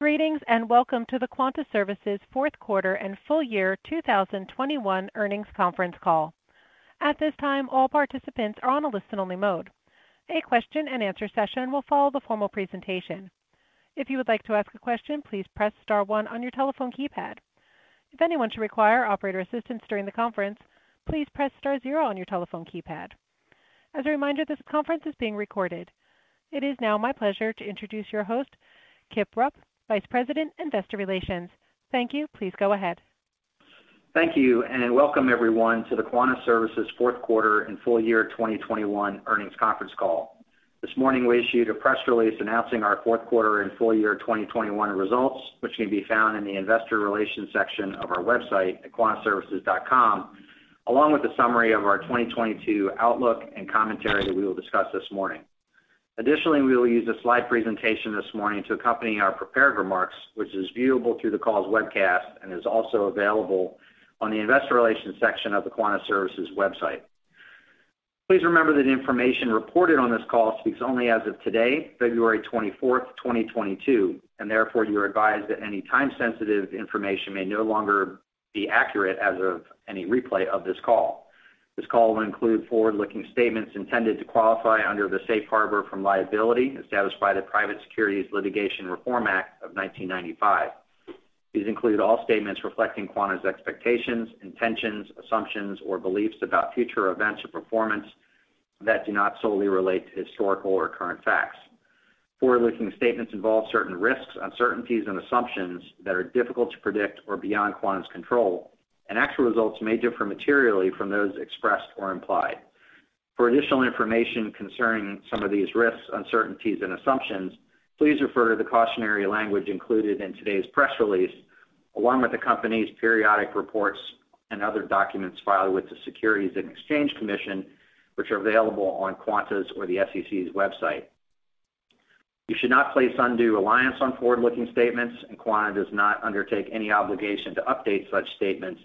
Greetings, and welcome to the Quanta Services fourth quarter and full year 2021 earnings conference call. At this time, all participants are on a listen-only mode. A question-and-answer session will follow the formal presentation. If you would like to ask a question, please press star one on your telephone keypad. If anyone should require operator assistance during the conference, please press star zero on your telephone keypad. As a reminder, this conference is being recorded. It is now my pleasure to introduce your host, Kip Rupp, Vice President, Investor Relations. Thank you. Please go ahead. Thank you, and welcome everyone to the Quanta Services fourth quarter and full year 2021 earnings conference call. This morning, we issued a press release announcing our fourth quarter and full year 2021 results, which can be found in the investor relations section of our website at quantaservices.com, along with a summary of our 2022 outlook and commentary that we will discuss this morning. Additionally, we will use a slide presentation this morning to accompany our prepared remarks, which is viewable through the call's webcast and is also available on the investor relations section of the Quanta Services website. Please remember that information reported on this call speaks only as of today, February 24th, 2022, and therefore you're advised that any time-sensitive information may no longer be accurate as of any replay of this call. This call will include forward-looking statements intended to qualify under the safe harbor from liability established by the Private Securities Litigation Reform Act of 1995. These include all statements reflecting Quanta's expectations, intentions, assumptions, or beliefs about future events or performance that do not solely relate to historical or current facts. Forward-looking statements involve certain risks, uncertainties, and assumptions that are difficult to predict or beyond Quanta's control, and actual results may differ materially from those expressed or implied. For additional information concerning some of these risks, uncertainties, and assumptions, please refer to the cautionary language included in today's press release, along with the company's periodic reports and other documents filed with the Securities and Exchange Commission, which are available on Quanta's or the SEC's website. You should not place undue reliance on forward-looking statements, and Quanta does not undertake any obligation to update such statements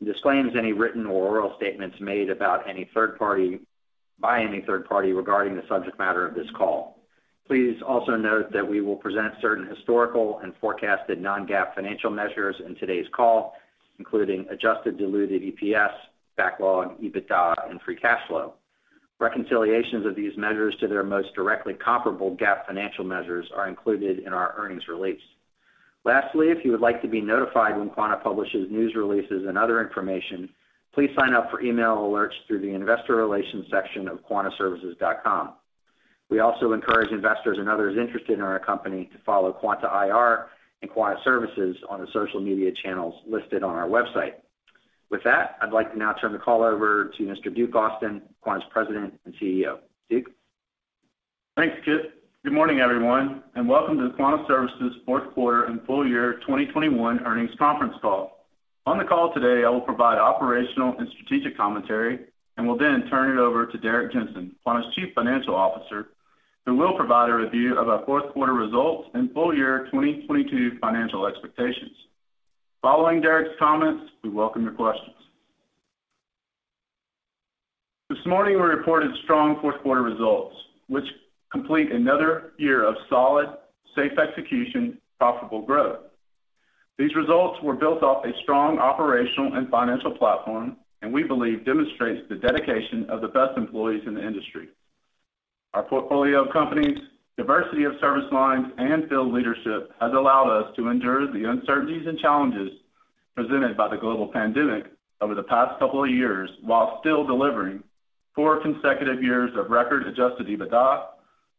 and disclaims any written or oral statements made by any third party regarding the subject matter of this call. Please also note that we will present certain historical and forecasted non-GAAP financial measures in today's call, including adjusted diluted EPS, backlog, EBITDA, and free cash flow. Reconciliations of these measures to their most directly comparable GAAP financial measures are included in our earnings release. Lastly, if you would like to be notified when Quanta publishes news releases and other information, please sign up for email alerts through the investor relations section of quantaservices.com. We also encourage investors and others interested in our company to follow Quanta IR and Quanta Services on the social media channels listed on our website. With that, I'd like to now turn the call over to Mr. Duke Austin, Quanta's President and CEO. Duke? Thanks, Kip. Good morning, everyone, and welcome to the Quanta Services fourth quarter and full year 2021 earnings conference call. On the call today, I will provide operational and strategic commentary and will then turn it over to Derrick Jensen, Quanta's Chief Financial Officer, who will provide a review of our fourth quarter results and full year 2022 financial expectations. Following Derrick's comments, we welcome your questions. This morning, we reported strong fourth quarter results, which complete another year of solid, safe execution, profitable growth. These results were built off a strong operational and financial platform, and we believe demonstrates the dedication of the best employees in the industry. Our portfolio of companies, diversity of service lines, and field leadership has allowed us to endure the uncertainties and challenges presented by the global pandemic over the past couple of years while still delivering four consecutive years of record adjusted EBITDA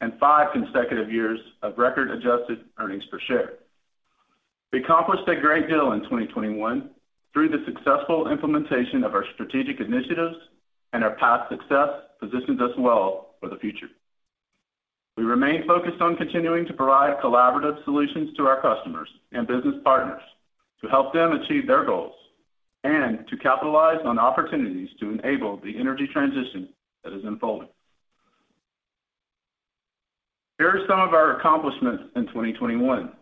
and five consecutive years of record adjusted earnings per share. We accomplished a great deal in 2021 through the successful implementation of our strategic initiatives and our past success positions us well for the future. We remain focused on continuing to provide collaborative solutions to our customers and business partners to help them achieve their goals and to capitalize on opportunities to enable the energy transition that is unfolding. Here are some of our accomplishments in 2021.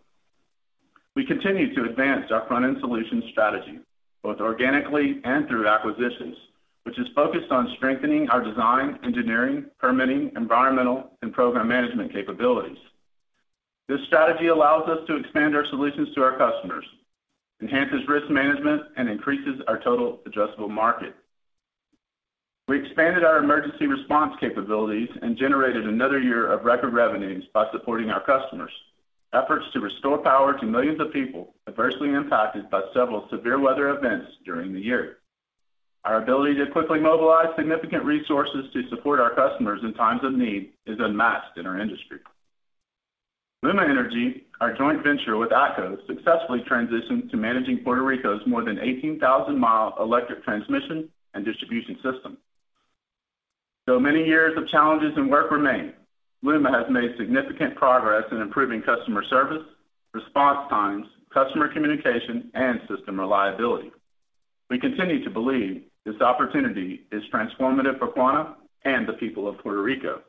We continued to advance our front-end solutions strategy, both organically and through acquisitions, which is focused on strengthening our design, engineering, permitting, environmental, and program management capabilities. This strategy allows us to expand our solutions to our customers, enhances risk management, and increases our total addressable market. We expanded our emergency response capabilities and generated another year of record revenues by supporting our customers' efforts to restore power to millions of people adversely impacted by several severe weather events during the year. Our ability to quickly mobilize significant resources to support our customers in times of need is unmatched in our industry. LUMA Energy, our joint venture with ATCO, successfully transitioned to managing Puerto Rico's more than 18,000 mi electric transmission and distribution system. Though many years of challenges and work remain, LUMA has made significant progress in improving customer service, response times, customer communication, and system reliability. We continue to believe this opportunity is transformative for Quanta and the people of Puerto Rico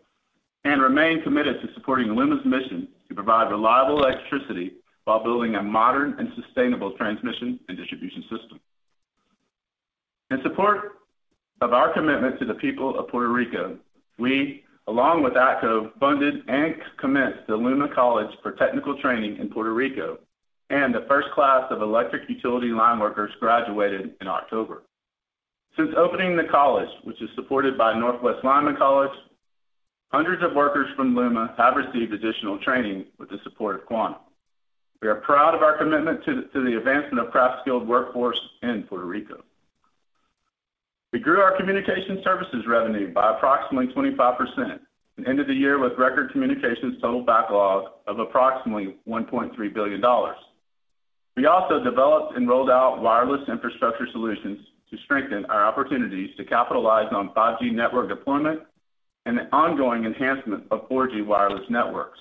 and remain committed to supporting Luma's mission to provide reliable electricity while building a modern and sustainable transmission and distribution system. In support of our commitment to the people of Puerto Rico, we, along with ATCO, funded and commenced the Luma College for Technical Training in Puerto Rico, and the first class of electric utility line workers graduated in October. Since opening the college, which is supported by Northwest Lineman College, hundreds of workers from Luma have received additional training with the support of Quanta. We are proud of our commitment to the advancement of craft skilled workforce in Puerto Rico. We grew our communication services revenue by approximately 25% and ended the year with record communications total backlog of approximately $1.3 billion. We also developed and rolled out wireless infrastructure solutions to strengthen our opportunities to capitalize on 5G network deployment and the ongoing enhancement of 4G wireless networks.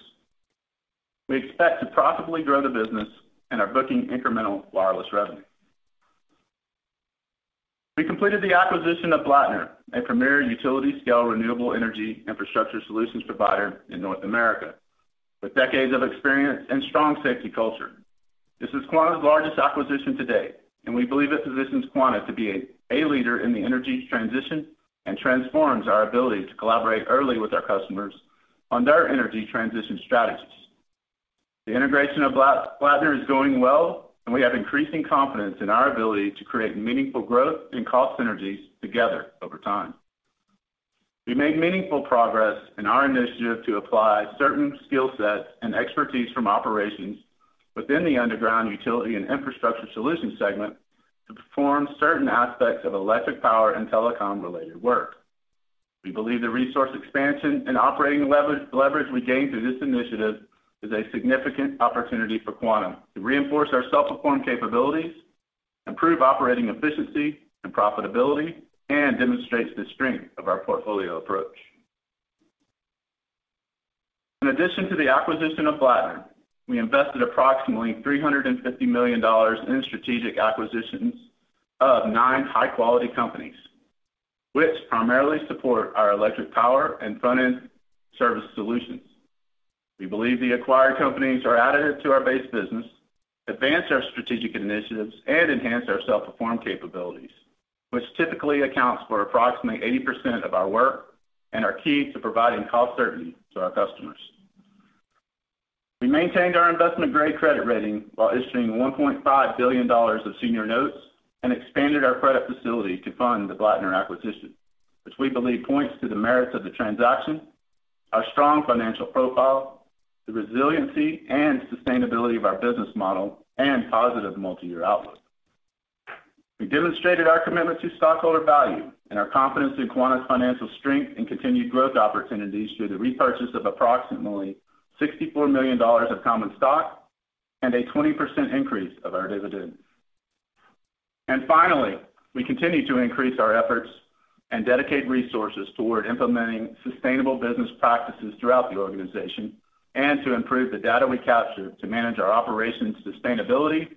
We expect to profitably grow the business and are booking incremental wireless revenue. We completed the acquisition of Blattner, a premier utility-scale renewable energy infrastructure solutions provider in North America with decades of experience and strong safety culture. This is Quanta's largest acquisition to date, and we believe it positions Quanta to be a leader in the energy transition and transforms our ability to collaborate early with our customers on their energy transition strategies. The integration of Blattner is going well, and we have increasing confidence in our ability to create meaningful growth and cost synergies together over time. We made meaningful progress in our initiative to apply certain skill sets and expertise from operations within the underground utility and infrastructure solutions segment to perform certain aspects of electric power and telecom-related work. We believe the resource expansion and operating leverage we gain through this initiative is a significant opportunity for Quanta to reinforce our self-perform capabilities, improve operating efficiency and profitability, and demonstrates the strength of our portfolio approach. In addition to the acquisition of Blattner, we invested approximately $350 million in strategic acquisitions of nine high-quality companies, which primarily support our electric power and front-end service solutions. We believe the acquired companies are additive to our base business, advance our strategic initiatives, and enhance our self-perform capabilities, which typically accounts for approximately 80% of our work and are key to providing cost certainty to our customers. We maintained our investment-grade credit rating while issuing $1.5 billion of senior notes and expanded our credit facility to fund the Blattner acquisition, which we believe points to the merits of the transaction, our strong financial profile, the resiliency and sustainability of our business model, and positive multi-year outlook. We demonstrated our commitment to stockholder value and our confidence in Quanta's financial strength and continued growth opportunities through the repurchase of approximately $64 million of common stock and a 20% increase of our dividend. Finally, we continue to increase our efforts and dedicate resources toward implementing sustainable business practices throughout the organization and to improve the data we capture to manage our operations sustainability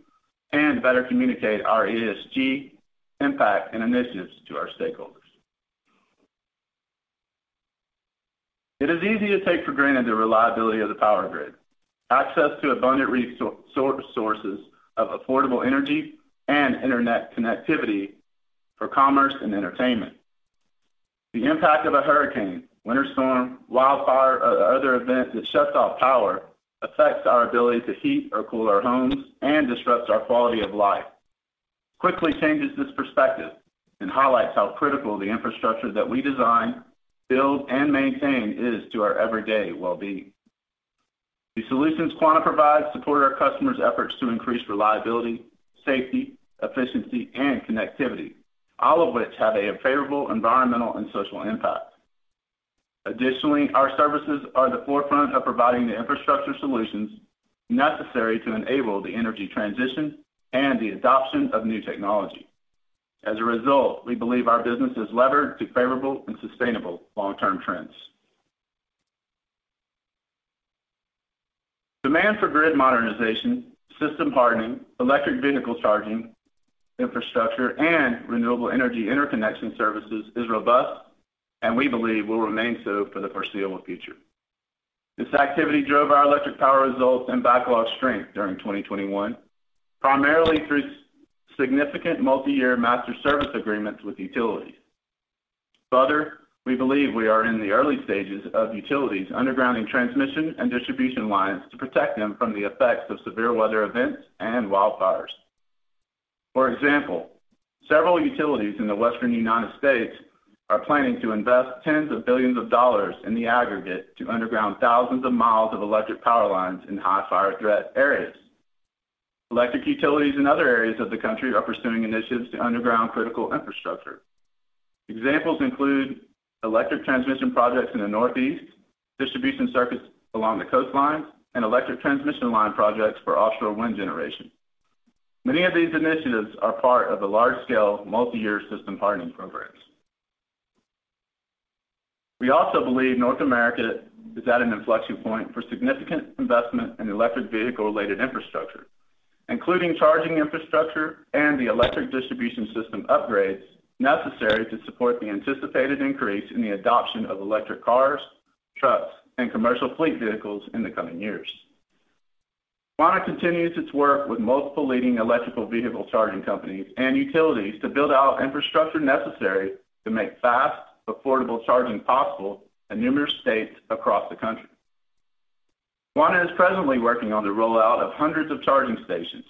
and better communicate our ESG impact and initiatives to our stakeholders. It is easy to take for granted the reliability of the power grid, access to abundant resources of affordable energy, and internet connectivity for commerce and entertainment. The impact of a hurricane, winter storm, wildfire, or other event that shuts off power affects our ability to heat or cool our homes and disrupts our quality of life, quickly changes this perspective and highlights how critical the infrastructure that we design, build, and maintain is to our everyday well-being. The solutions Quanta provides support our customers' efforts to increase reliability, safety, efficiency, and connectivity, all of which have a favorable environmental and social impact. Additionally, our services are at the forefront of providing the infrastructure solutions necessary to enable the energy transition and the adoption of new technology. As a result, we believe our business is levered to favorable and sustainable long-term trends. Demand for grid modernization, system hardening, electric vehicle charging infrastructure, and renewable energy interconnection services is robust, and we believe will remain so for the foreseeable future. This activity drove our electric power results and backlog strength during 2021, primarily through significant multi-year master service agreements with utilities. Further, we believe we are in the early stages of utilities undergrounding transmission and distribution lines to protect them from the effects of severe weather events and wildfires. For example, several utilities in the Western United States are planning to invest tens of billions of dollars in the aggregate to underground thousands of miles of electric power lines in high fire threat areas. Electric utilities in other areas of the country are pursuing initiatives to underground critical infrastructure. Examples include electric transmission projects in the Northeast, distribution circuits along the coastlines, and electric transmission line projects for offshore wind generation. Many of these initiatives are part of the large-scale, multi-year system hardening programs. We also believe North America is at an inflection point for significant investment in electric vehicle-related infrastructure, including charging infrastructure and the electric distribution system upgrades necessary to support the anticipated increase in the adoption of electric cars, trucks, and commercial fleet vehicles in the coming years. Quanta continues its work with multiple leading electric vehicle charging companies and utilities to build out infrastructure necessary to make fast, affordable charging possible in numerous states across the country. Quanta is presently working on the rollout of hundreds of charging stations.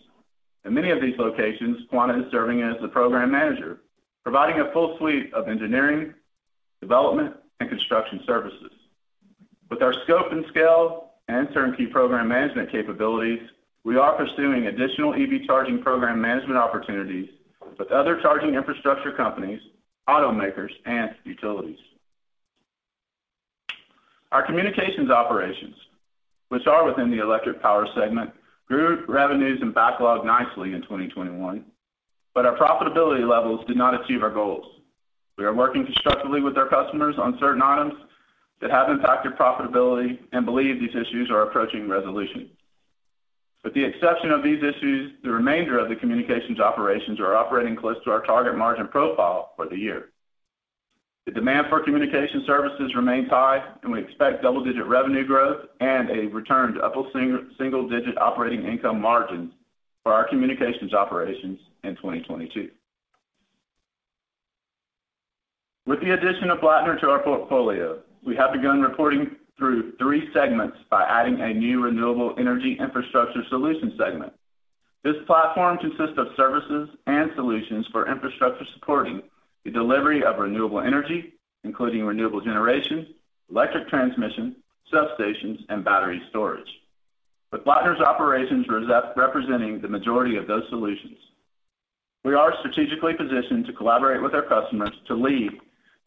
In many of these locations, Quanta is serving as the program manager, providing a full suite of engineering, development, and construction services. With our scope and scale and turnkey program management capabilities, we are pursuing additional EV charging program management opportunities with other charging infrastructure companies, automakers, and utilities. Our communications operations, which are within the Electric Power segment, grew revenues and backlog nicely in 2021, but our profitability levels did not achieve our goals. We are working constructively with our customers on certain items that have impacted profitability and believe these issues are approaching resolution. With the exception of these issues, the remainder of the communications operations are operating close to our target margin profile for the year. The demand for communication services remains high, and we expect double-digit revenue growth and a return to upper single-digit operating income margins for our communications operations in 2022. With the addition of Blattner to our portfolio, we have begun reporting through three segments by adding a new Renewable Energy Infrastructure Solutions segment. This platform consists of services and solutions for infrastructure supporting the delivery of renewable energy, including renewable generation, electric transmission, substations, and battery storage, with Blattner's operations representing the majority of those solutions. We are strategically positioned to collaborate with our customers to lead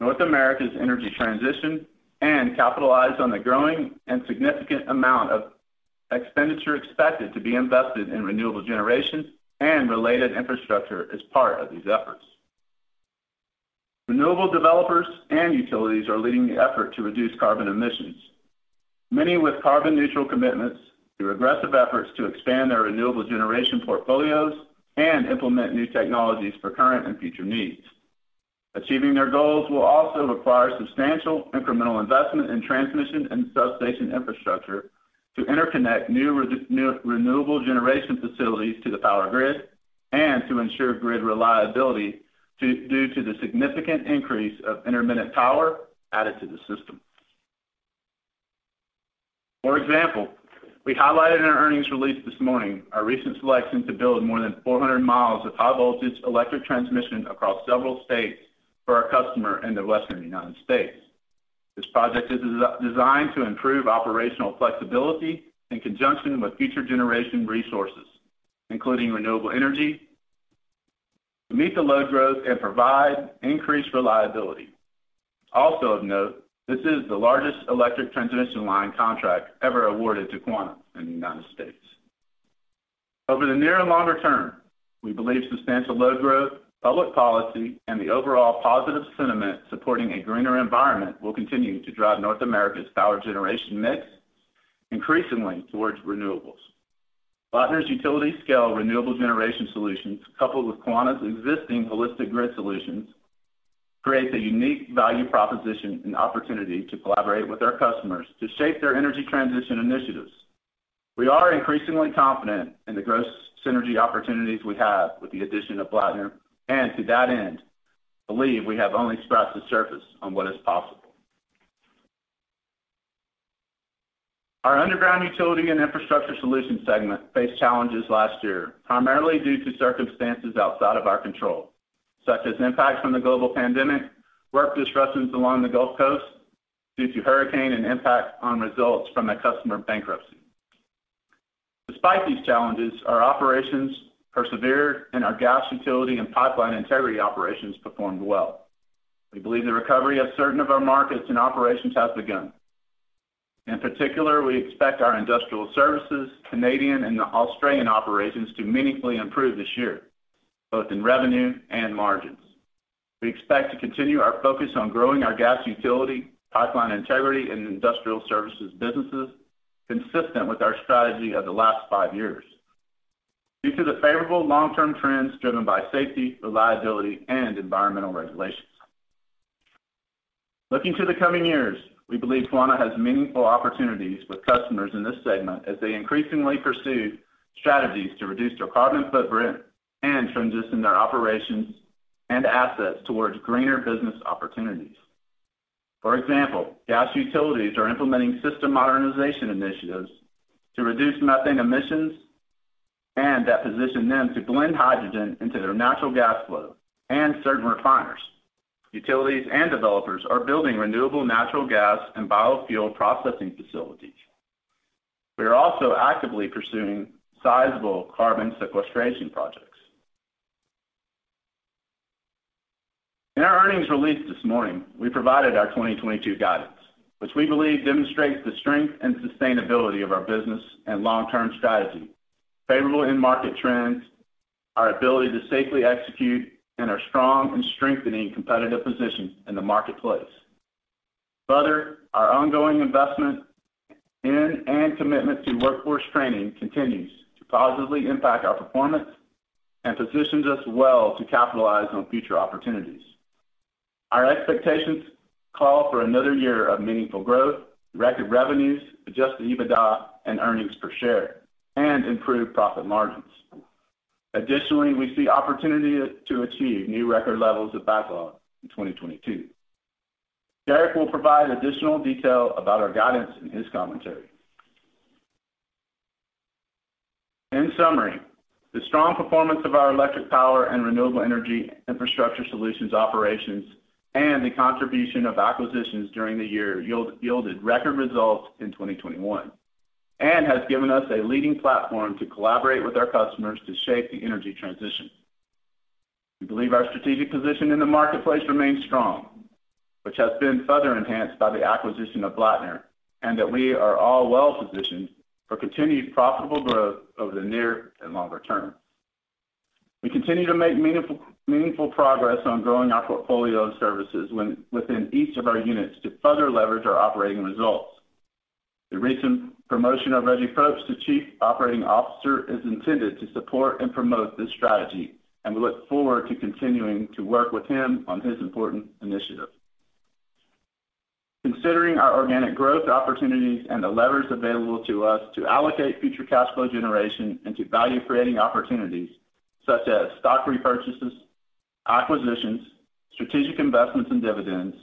North America's energy transition and capitalize on the growing and significant amount of expenditure expected to be invested in renewable generation and related infrastructure as part of these efforts. Renewable developers and utilities are leading the effort to reduce carbon emissions, many with carbon-neutral commitments through aggressive efforts to expand their renewable generation portfolios and implement new technologies for current and future needs. Achieving their goals will also require substantial incremental investment in transmission and substation infrastructure to interconnect new renewable generation facilities to the power grid and to ensure grid reliability due to the significant increase of intermittent power added to the system. For example, we highlighted in our earnings release this morning our recent selection to build more than 400 mi of high-voltage electric transmission across several states for our customer in the western United States. This project is designed to improve operational flexibility in conjunction with future generation resources, including renewable energy, to meet the load growth and provide increased reliability. Also of note, this is the largest electric transmission line contract ever awarded to Quanta in the United States. Over the near and longer term, we believe substantial load growth, public policy, and the overall positive sentiment supporting a greener environment will continue to drive North America's power generation mix increasingly towards renewables. Blattner's utility-scale renewable generation solutions, coupled with Quanta's existing holistic grid solutions, creates a unique value proposition and opportunity to collaborate with our customers to shape their energy transition initiatives. We are increasingly confident in the gross synergy opportunities we have with the addition of Blattner, and to that end, believe we have only scratched the surface on what is possible. Our underground utility and infrastructure solution segment faced challenges last year, primarily due to circumstances outside of our control, such as impacts from the global pandemic, work disruptions along the Gulf Coast due to hurricane, and impacts on results from a customer bankruptcy. Despite these challenges, our operations persevered and our gas, utility, and pipeline integrity operations performed well. We believe the recovery of certain of our markets and operations has begun. In particular, we expect our industrial services, Canadian and Australian operations to meaningfully improve this year, both in revenue and margins. We expect to continue our focus on growing our gas, utility, pipeline integrity, and industrial services businesses consistent with our strategy of the last five years due to the favorable long-term trends driven by safety, reliability, and environmental regulations. Looking to the coming years, we believe Quanta has meaningful opportunities with customers in this segment as they increasingly pursue strategies to reduce their carbon footprint and transition their operations and assets towards greener business opportunities. For example, gas utilities are implementing system modernization initiatives to reduce methane emissions and that position them to blend hydrogen into their natural gas flow and certain refiners. Utilities and developers are building renewable natural gas and biofuel processing facilities. We are also actively pursuing sizable carbon sequestration projects. In our earnings release this morning, we provided our 2022 guidance, which we believe demonstrates the strength and sustainability of our business and long-term strategy, favorable end market trends, our ability to safely execute, and our strong and strengthening competitive position in the marketplace. Further, our ongoing investment in and commitment to workforce training continues to positively impact our performance and positions us well to capitalize on future opportunities. Our expectations call for another year of meaningful growth, record revenues, adjusted EBITDA and earnings per share, and improved profit margins. Additionally, we see opportunity to achieve new record levels of backlog in 2022. Derrick will provide additional detail about our guidance in his commentary. In summary, the strong performance of our electric power and renewable energy infrastructure solutions operations and the contribution of acquisitions during the year yielded record results in 2021, and has given us a leading platform to collaborate with our customers to shape the energy transition. We believe our strategic position in the marketplace remains strong, which has been further enhanced by the acquisition of Blattner, and that we are all well-positioned for continued profitable growth over the near and longer term. We continue to make meaningful progress on growing our portfolio of services within each of our units to further leverage our operating results. The recent promotion of Redgie Probst to Chief Operating Officer is intended to support and promote this strategy, and we look forward to continuing to work with him on this important initiative. Considering our organic growth opportunities and the levers available to us to allocate future cash flow generation into value-creating opportunities such as stock repurchases, acquisitions, strategic investments and dividends,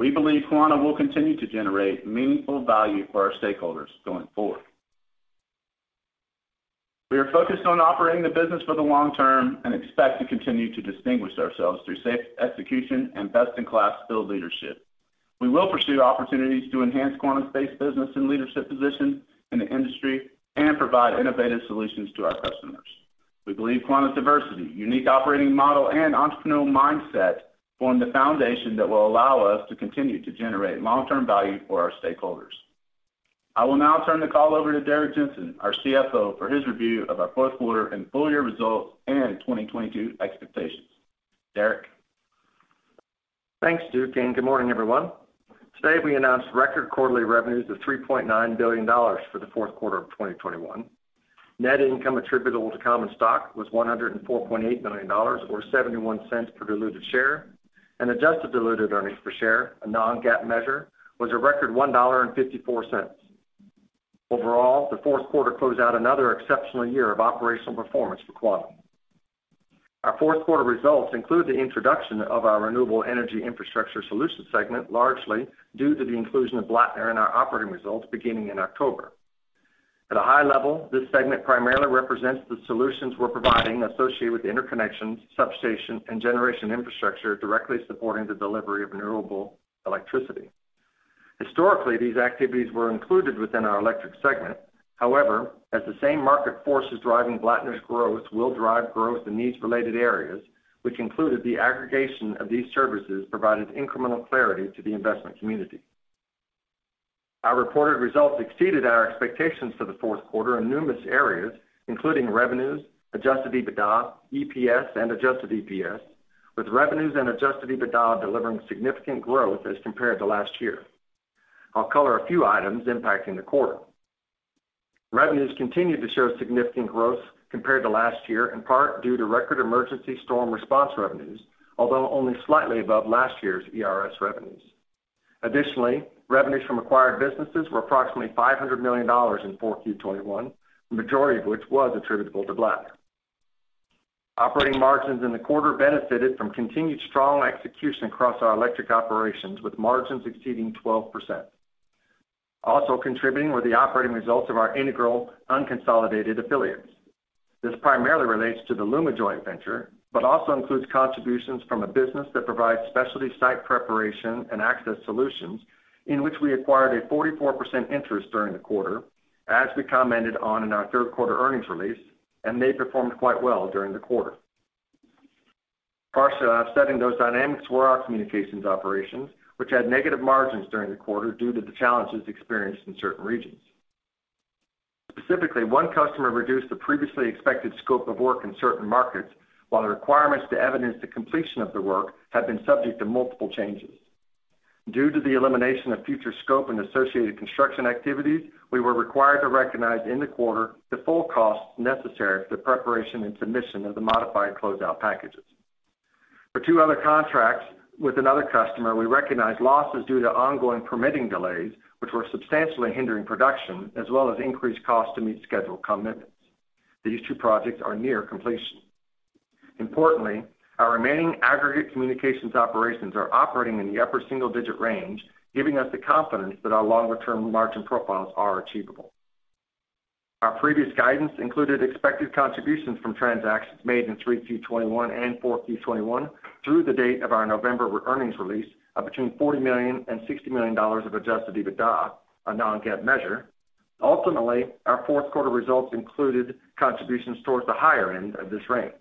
we believe Quanta will continue to generate meaningful value for our stakeholders going forward. We are focused on operating the business for the long term and expect to continue to distinguish ourselves through safe execution and best-in-class field leadership. We will pursue opportunities to enhance Quanta's space business and leadership position in the industry and provide innovative solutions to our customers. We believe Quanta's diversity, unique operating model, and entrepreneurial mindset form the foundation that will allow us to continue to generate long-term value for our stakeholders. I will now turn the call over to Derrick Jensen, our CFO, for his review of our fourth quarter and full-year results and 2022 expectations. Derrick? Thanks, Duke, and good morning, everyone. Today, we announced record quarterly revenues of $3.9 billion for the fourth quarter of 2021. Net income attributable to common stock was $104.8 million, or $0.71 per diluted share, and adjusted diluted earnings per share, a non-GAAP measure, was a record $1.54. Overall, the fourth quarter closed out another exceptional year of operational performance for Quanta. Our fourth quarter results include the introduction of our renewable energy infrastructure solutions segment, largely due to the inclusion of Blattner in our operating results beginning in October. At a high level, this segment primarily represents the solutions we're providing associated with the interconnection, substation, and generation infrastructure directly supporting the delivery of renewable electricity. Historically, these activities were included within our electric segment. However, as the same market forces driving Blattner's growth will drive growth in these related areas, which included the aggregation of these services, provided incremental clarity to the investment community. Our reported results exceeded our expectations for the fourth quarter in numerous areas, including revenues, adjusted EBITDA, EPS, and adjusted EPS, with revenues and adjusted EBITDA delivering significant growth as compared to last year. I'll color a few items impacting the quarter. Revenues continued to show significant growth compared to last year, in part due to record emergency storm response revenues, although only slightly above last year's ERS revenues. Additionally, revenues from acquired businesses were approximately $500 million in Q4 2021, the majority of which was attributable to Blattner. Operating margins in the quarter benefited from continued strong execution across our electric operations, with margins exceeding 12%. Also contributing were the operating results of our integral unconsolidated affiliates. This primarily relates to the LUMA Joint Venture, but also includes contributions from a business that provides specialty site preparation and access solutions, in which we acquired a 44% interest during the quarter, as we commented on in our third quarter earnings release, and they performed quite well during the quarter. Partially offsetting those dynamics were our communications operations, which had negative margins during the quarter due to the challenges experienced in certain regions. Specifically, one customer reduced the previously expected scope of work in certain markets, while the requirements to evidence the completion of the work have been subject to multiple changes. Due to the elimination of future scope and associated construction activities, we were required to recognize in the quarter the full costs necessary for the preparation and submission of the modified closeout packages. For two other contracts with another customer, we recognized losses due to ongoing permitting delays, which were substantially hindering production, as well as increased costs to meet scheduled commitments. These two projects are near completion. Importantly, our remaining aggregate communications operations are operating in the upper single-digit range, giving us the confidence that our longer-term margin profiles are achievable. Our previous guidance included expected contributions from transactions made in Q3 2021 and Q4 2021 through the date of our November earnings release of between $40 million and $60 million of adjusted EBITDA, a non-GAAP measure. Ultimately, our fourth quarter results included contributions towards the higher end of this range.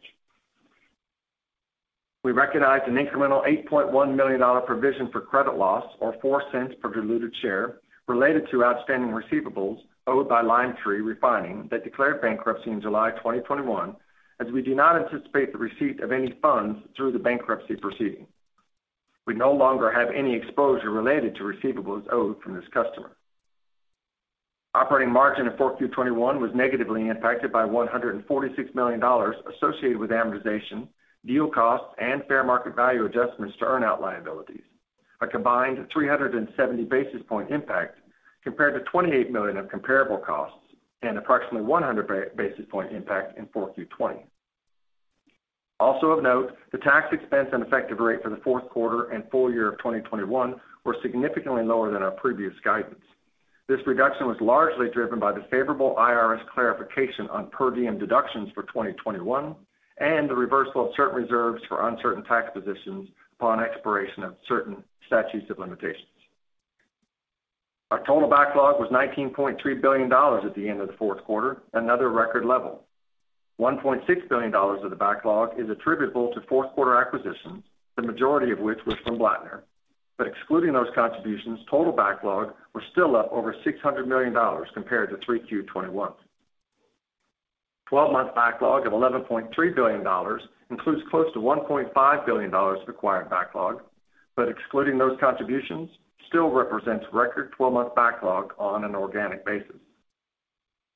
We recognized an incremental $8.1 million provision for credit loss or $0.04 per diluted share related to outstanding receivables owed by Limetree Bay Refining that declared bankruptcy in July 2021, as we do not anticipate the receipt of any funds through the bankruptcy proceeding. We no longer have any exposure related to receivables owed from this customer. Operating margin in fourth Q 2021 was negatively impacted by $146 million associated with amortization, deal costs, and fair market value adjustments to earnout liabilities. A combined 370 basis point impact compared to $28 million of comparable costs and approximately 100 basis point impact in fourth Q 2020. Also of note, the tax expense and effective rate for the fourth quarter and full year of 2021 were significantly lower than our previous guidance. This reduction was largely driven by the favorable IRS clarification on per diem deductions for 2021 and the reversal of certain reserves for uncertain tax positions upon expiration of certain statutes of limitations. Our total backlog was $19.3 billion at the end of the fourth quarter, another record level. $1.6 billion of the backlog is attributable to fourth quarter acquisitions, the majority of which was from Blattner. Excluding those contributions, total backlog was still up over $600 million compared to 3Q 2021. 12-month backlog of $11.3 billion includes close to $1.5 billion of acquired backlog, but excluding those contributions, still represents record 12-month backlog on an organic basis.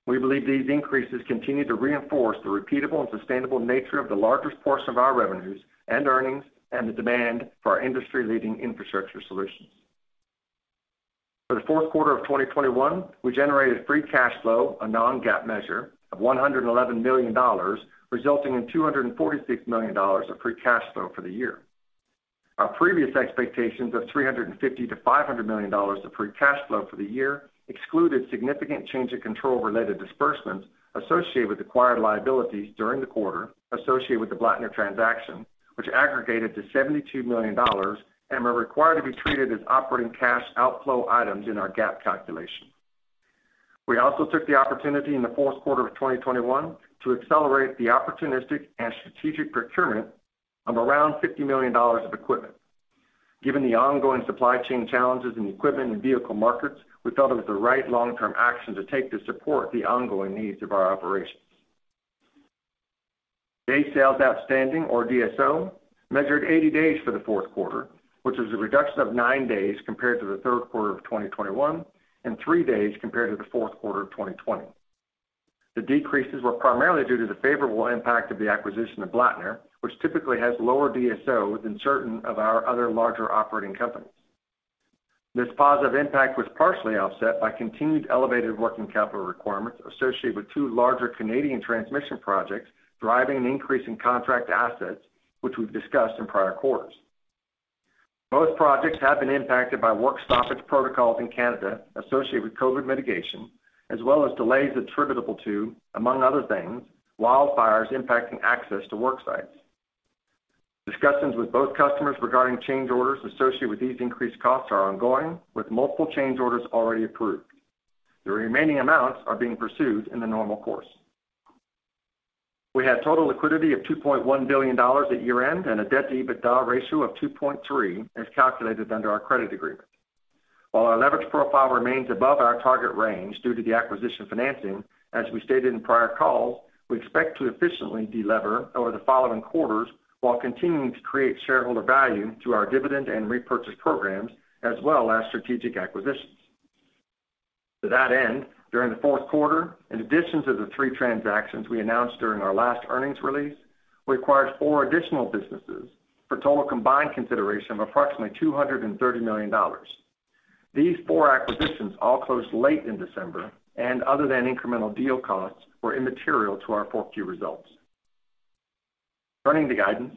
We believe these increases continue to reinforce the repeatable and sustainable nature of the largest portion of our revenues and earnings and the demand for our industry-leading infrastructure solutions. For the fourth quarter of 2021, we generated free cash flow, a non-GAAP measure, of $111 million, resulting in $246 million of free cash flow for the year. Our previous expectations of $350 million-$500 million of free cash flow for the year excluded significant change in control related disbursements associated with acquired liabilities during the quarter associated with the Blattner transaction, which aggregated to $72 million and were required to be treated as operating cash outflow items in our GAAP calculation. We also took the opportunity in the fourth quarter of 2021 to accelerate the opportunistic and strategic procurement of around $50 million of equipment. Given the ongoing supply chain challenges in the equipment and vehicle markets, we thought it was the right long-term action to take to support the ongoing needs of our operations. Day sales outstanding, or DSO, measured 80 days for the fourth quarter, which is a reduction of nine days compared to the third quarter of 2021 and three days compared to the fourth quarter of 2020. The decreases were primarily due to the favorable impact of the acquisition of Blattner, which typically has lower DSO than certain of our other larger operating companies. This positive impact was partially offset by continued elevated working capital requirements associated with two larger Canadian transmission projects, driving an increase in contract assets, which we've discussed in prior quarters. Both projects have been impacted by work stoppage protocols in Canada associated with COVID mitigation, as well as delays attributable to, among other things, wildfires impacting access to work sites. Discussions with both customers regarding change orders associated with these increased costs are ongoing, with multiple change orders already approved. The remaining amounts are being pursued in the normal course. We had total liquidity of $2.1 billion at year-end and a debt-to-EBITDA ratio of 2.3 as calculated under our credit agreement. While our leverage profile remains above our target range due to the acquisition financing, as we stated in prior calls, we expect to efficiently de-lever over the following quarters while continuing to create shareholder value through our dividend and repurchase programs as well as strategic acquisitions. To that end, during the fourth quarter, in addition to the three transactions we announced during our last earnings release, we acquired four additional businesses for a total combined consideration of approximately $230 million. These four acquisitions all closed late in December and, other than incremental deal costs, were immaterial to our fourth Q results. Turning to guidance.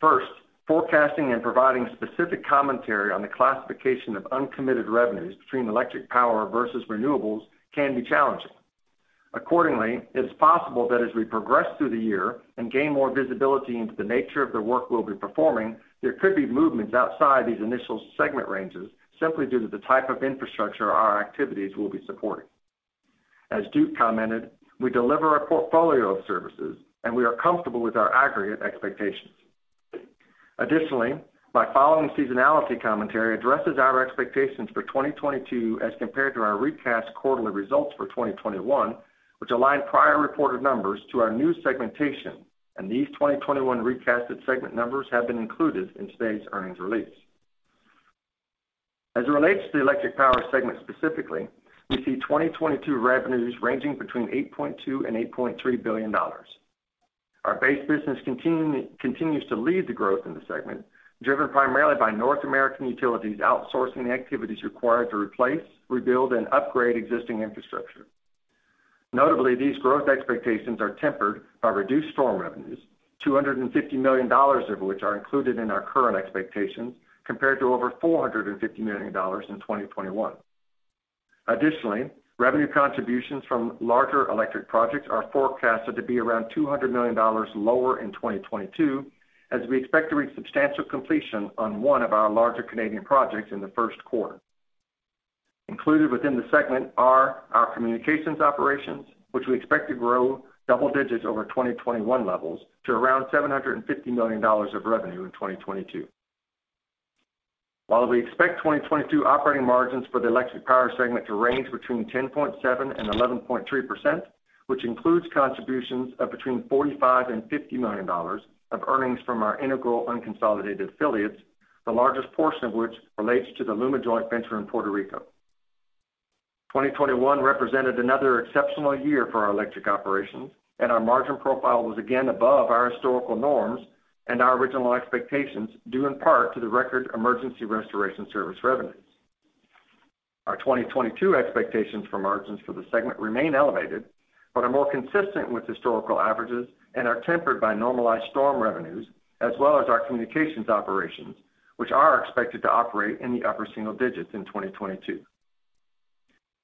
First, forecasting and providing specific commentary on the classification of uncommitted revenues between electric power versus renewables can be challenging. Accordingly, it is possible that as we progress through the year and gain more visibility into the nature of the work we'll be performing, there could be movements outside these initial segment ranges simply due to the type of infrastructure our activities will be supporting. As Duke commented, we deliver a portfolio of services, and we are comfortable with our aggregate expectations. Additionally, my following seasonality commentary addresses our expectations for 2022 as compared to our recast quarterly results for 2021, which align prior reported numbers to our new segmentation, and these 2021 recast segment numbers have been included in today's earnings release. As it relates to the electric power segment specifically, we see 2022 revenues ranging between $8.2 billion and $8.3 billion. Our base business continues to lead the growth in the segment, driven primarily by North American utilities outsourcing activities required to replace, rebuild, and upgrade existing infrastructure. Notably, these growth expectations are tempered by reduced storm revenues, $250 million of which are included in our current expectations compared to over $450 million in 2021. Additionally, revenue contributions from larger electric projects are forecasted to be around $200 million lower in 2022 as we expect to reach substantial completion on one of our larger Canadian projects in the first quarter. Included within the segment are our communications operations, which we expect to grow double digits over 2021 levels to around $750 million of revenue in 2022. While we expect 2022 operating margins for the electric power segment to range between 10.7% and 11.3%, which includes contributions of between $45 million and $50 million of earnings from our integral unconsolidated affiliates. The largest portion of which relates to the LUMA Joint Venture in Puerto Rico. 2021 represented another exceptional year for our electric operations, and our margin profile was again above our historical norms and our original expectations, due in part to the record emergency restoration service revenues. Our 2022 expectations for margins for the segment remain elevated, but are more consistent with historical averages and are tempered by normalized storm revenues, as well as our communications operations, which are expected to operate in the upper single digits in 2022.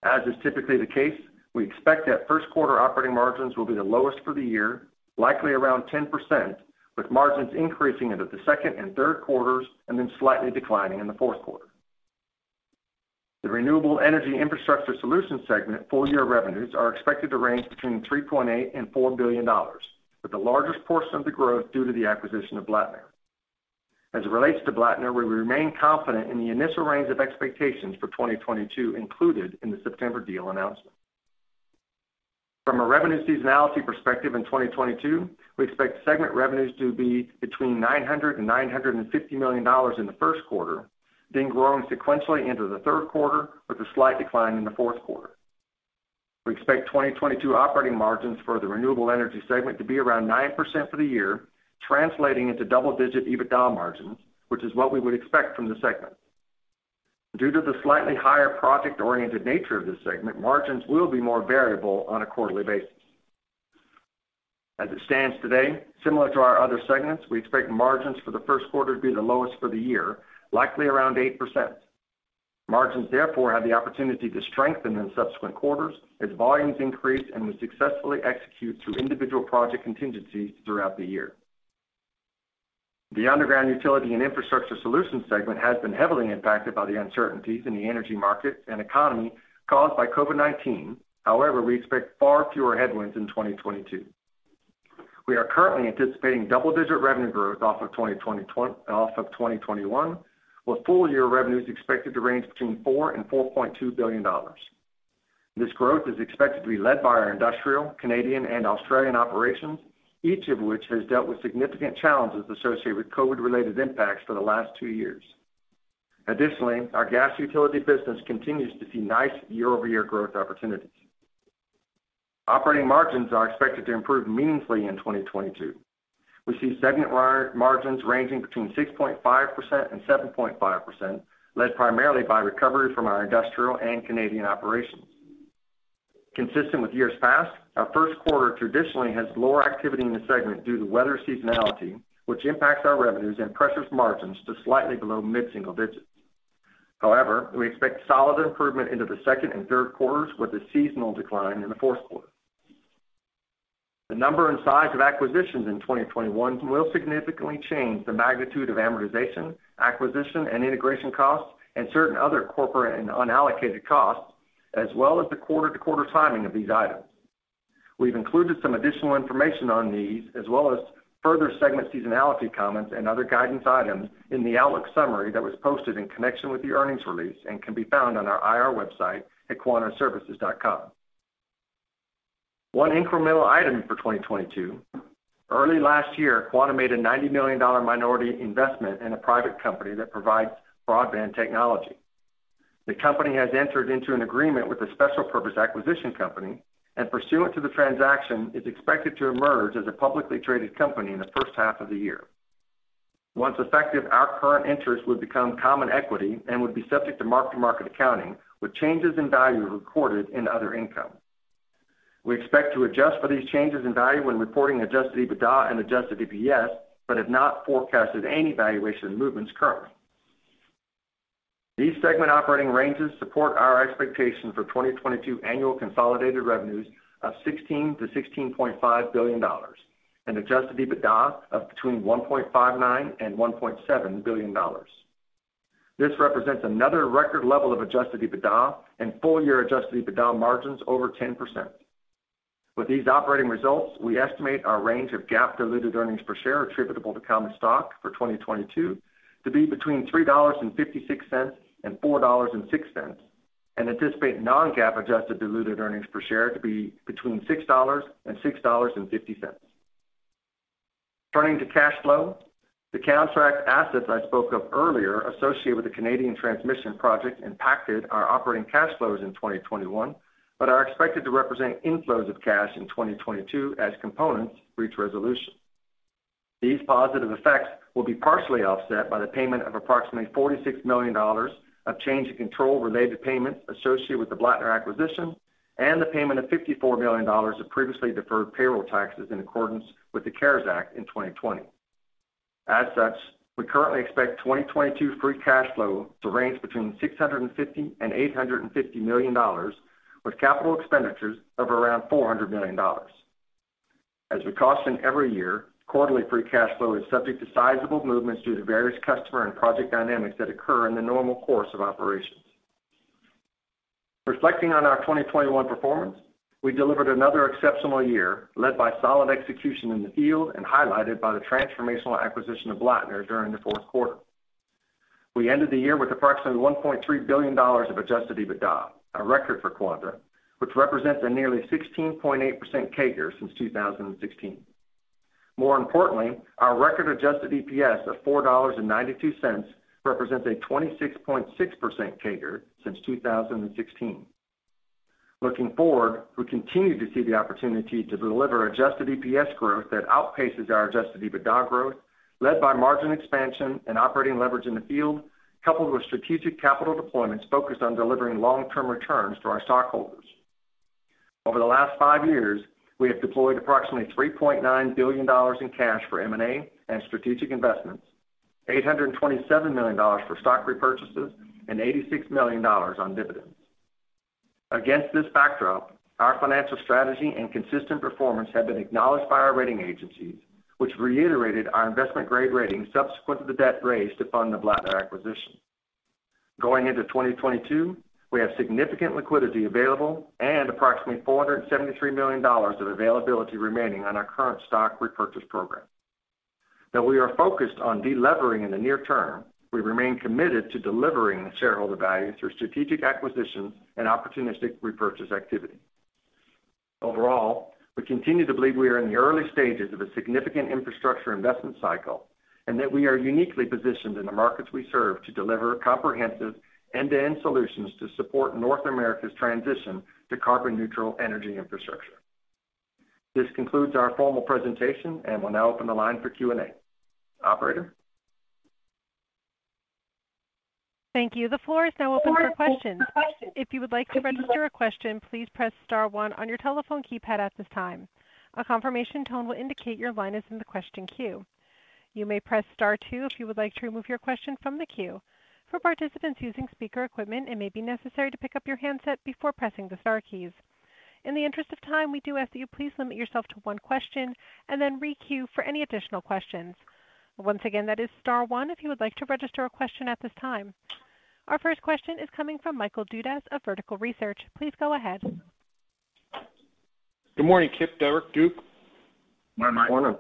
As is typically the case, we expect that first quarter operating margins will be the lowest for the year, likely around 10%, with margins increasing into the second and third quarters, and then slightly declining in the fourth quarter. The Renewable Energy Infrastructure Solutions segment full-year revenues are expected to range between $3.8 billion and $4 billion, with the largest portion of the growth due to the acquisition of Blattner. As it relates to Blattner, we remain confident in the initial range of expectations for 2022 included in the September deal announcement. From a revenue seasonality perspective in 2022, we expect segment revenues to be between $900 million and $950 million in the first quarter, then growing sequentially into the third quarter with a slight decline in the fourth quarter. We expect 2022 operating margins for the renewable energy segment to be around 9% for the year, translating into double-digit EBITDA margins, which is what we would expect from the segment. Due to the slightly higher project-oriented nature of this segment, margins will be more variable on a quarterly basis. As it stands today, similar to our other segments, we expect margins for the first quarter to be the lowest for the year, likely around 8%. Margins therefore have the opportunity to strengthen in subsequent quarters as volumes increase and we successfully execute through individual project contingencies throughout the year. The Underground Utility and Infrastructure Solutions segment has been heavily impacted by the uncertainties in the energy market and economy caused by COVID-19. However, we expect far fewer headwinds in 2022. We are currently anticipating double-digit revenue growth off of 2021, with full-year revenues expected to range between $4 billion and $4.2 billion. This growth is expected to be led by our industrial, Canadian, and Australian operations, each of which has dealt with significant challenges associated with COVID-related impacts for the last two years. Additionally, our gas utility business continues to see nice year-over-year growth opportunities. Operating margins are expected to improve meaningfully in 2022. We see segment margins ranging between 6.5% and 7.5%, led primarily by recovery from our industrial and Canadian operations. Consistent with years past, our first quarter traditionally has lower activity in the segment due to weather seasonality, which impacts our revenues and pressures margins to slightly below mid-single digits. However, we expect solid improvement into the second and third quarters with a seasonal decline in the fourth quarter. The number and size of acquisitions in 2021 will significantly change the magnitude of amortization, acquisition, and integration costs, and certain other corporate and unallocated costs, as well as the quarter-to-quarter timing of these items. We've included some additional information on these, as well as further segment seasonality comments and other guidance items in the outlook summary that was posted in connection with the earnings release and can be found on our IR website at quantaservices.com. One incremental item for 2022: early last year, Quanta made a $90 million minority investment in a private company that provides broadband technology. The company has entered into an agreement with a special purpose acquisition company and pursuant to the transaction, is expected to emerge as a publicly traded company in the first half of the year. Once effective, our current interest would become common equity and would be subject to mark-to-market accounting, with changes in value recorded in other income. We expect to adjust for these changes in value when reporting adjusted EBITDA and adjusted EPS, but have not forecasted any valuation movements currently. These segment operating ranges support our expectation for 2022 annual consolidated revenues of $16 billion-$16.5 billion and adjusted EBITDA of between $1.59 billion and $1.7 billion. This represents another record level of adjusted EBITDA and full-year adjusted EBITDA margins over 10%. With these operating results, we estimate our range of GAAP diluted earnings per share attributable to common stock for 2022 to be between $3.56 and $4.06, and anticipate non-GAAP adjusted diluted earnings per share to be between $6 and $6.50. Turning to cash flow, the contract assets I spoke of earlier associated with the Canadian transmission project impacted our operating cash flows in 2021, but are expected to represent inflows of cash in 2022 as components reach resolution. These positive effects will be partially offset by the payment of approximately $46 million of change in control-related payments associated with the Blattner acquisition and the payment of $54 million of previously deferred payroll taxes in accordance with the CARES Act in 2020. As such, we currently expect 2022 free cash flow to range between $650 million and $850 million, with capital expenditures of around $400 million. We caution every year, quarterly free cash flow is subject to sizable movements due to various customer and project dynamics that occur in the normal course of operations. Reflecting on our 2021 performance, we delivered another exceptional year led by solid execution in the field and highlighted by the transformational acquisition of Blattner during the fourth quarter. We ended the year with approximately $1.3 billion of adjusted EBITDA, a record for Quanta, which represents a nearly 16.8% CAGR since 2016. More importantly, our record adjusted EPS of $4.92 represents a 26.6% CAGR since 2016. Looking forward, we continue to see the opportunity to deliver adjusted EPS growth that outpaces our adjusted EBITDA growth, led by margin expansion and operating leverage in the field, coupled with strategic capital deployments focused on delivering long-term returns to our stockholders. Over the last five years, we have deployed approximately $3.9 billion in cash for M&A and strategic investments, $827 million for stock repurchases, and $86 million on dividends. Against this backdrop, our financial strategy and consistent performance have been acknowledged by our rating agencies, which reiterated our investment-grade rating subsequent to the debt raised to fund the Blattner acquisition. Going into 2022, we have significant liquidity available and approximately $473 million of availability remaining on our current stock repurchase program. Though we are focused on de-levering in the near term, we remain committed to delivering shareholder value through strategic acquisitions and opportunistic repurchase activity. Overall, we continue to believe we are in the early stages of a significant infrastructure investment cycle and that we are uniquely positioned in the markets we serve to deliver comprehensive end-to-end solutions to support North America's transition to carbon neutral energy infrastructure. This concludes our formal presentation, and we'll now open the line for Q&A. Operator? Thank you. The floor is now open for questions. If you would like to register a question, please press star one on your telephone keypad at this time. A confirmation tone will indicate your line is in the question queue. You may press star two if you would like to remove your question from the queue. For participants using speaker equipment, it may be necessary to pick up your handset before pressing the star keys. In the interest of time, we do ask that you please limit yourself to one question and then re-queue for any additional questions. Once again, that is star one if you would like to register a question at this time. Our first question is coming from Michael Dudas of Vertical Research. Please go ahead. Good morning, Kip, Derrick, Duke. Good morning.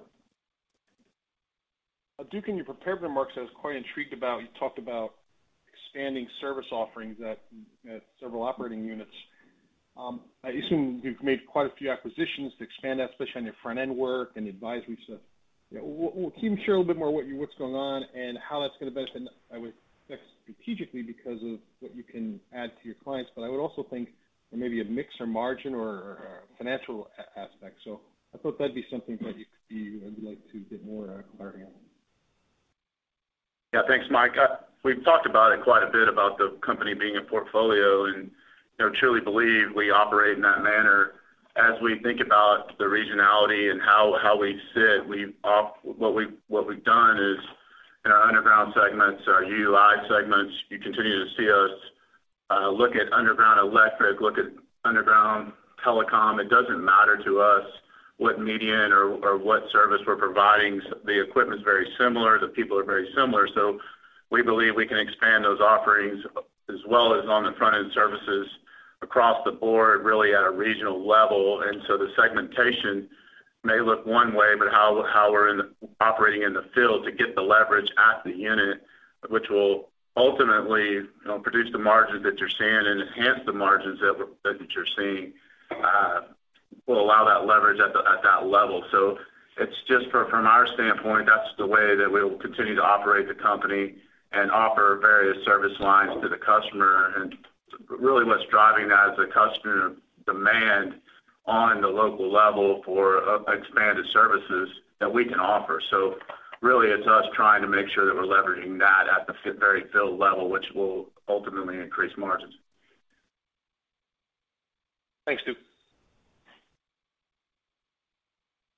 Duke, in your prepared remarks, I was quite intrigued about you talked about expanding service offerings at several operating units. I assume you've made quite a few acquisitions to expand that, especially on your front-end work and the advisory stuff. Will you share a little bit more what's going on and how that's gonna benefit. I would think strategically because of what you can add to your clients, but I would also think maybe a mix or margin or financial aspect. I thought that'd be something that you could see and would like to get more clarity on. Yeah. Thanks, Mike. We've talked about it quite a bit about the company being a portfolio, and I truly believe we operate in that manner. As we think about the regionality and how we sit, what we've done is in our underground segments, our UUI segments, you continue to see us look at underground electric, look at underground telecom. It doesn't matter to us what median or what service we're providing. The equipment is very similar, the people are very similar. We believe we can expand those offerings as well as on the front-end services across the board, really at a regional level. And so the segmentation may look one way, but how we're operating in the field to get the leverage at the unit, which will ultimately, you know, produce the margins that you're seeing and enhance the margins that you're seeing, will allow that leverage at that level. It's just from our standpoint, that's the way that we will continue to operate the company and offer various service lines to the customer. Really what's driving that is the customer demand on the local level for expanded services that we can offer. So really it's us trying to make sure that we're leveraging that at the very field level, which will ultimately increase margins. Thanks, Duke.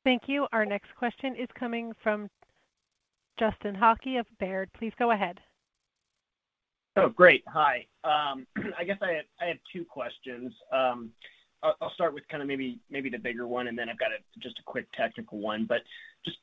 Thank you. Our next question is coming from Justin Hauke of Baird. Please go ahead. Oh, great. Hi. I guess I have two questions. I'll start with kind of maybe the bigger one, and then I've got just a quick technical one. Just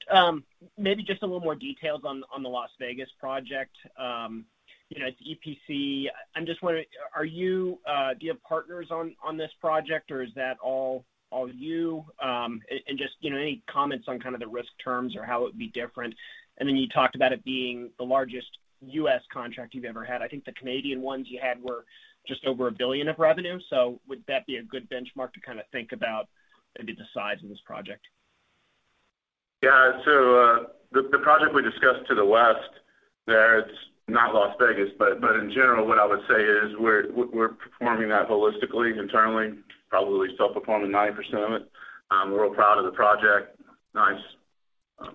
maybe just a little more details on the Las Vegas project. You know, it's EPC. I'm just wondering, are you do you have partners on this project, or is that all you? You know, any comments on kind of the risk terms or how it would be different. You talked about it being the largest U.S. contract you've ever had. I think the Canadian ones you had were just over $1 billion of revenue. Would that be a good benchmark to kind of think about maybe the size of this project? Yeah. So the project we discussed to the west there, it's not Las Vegas, but in general, what I would say is we're performing that holistically, internally, probably self-performing 90% of it. We're real proud of the project. Nice,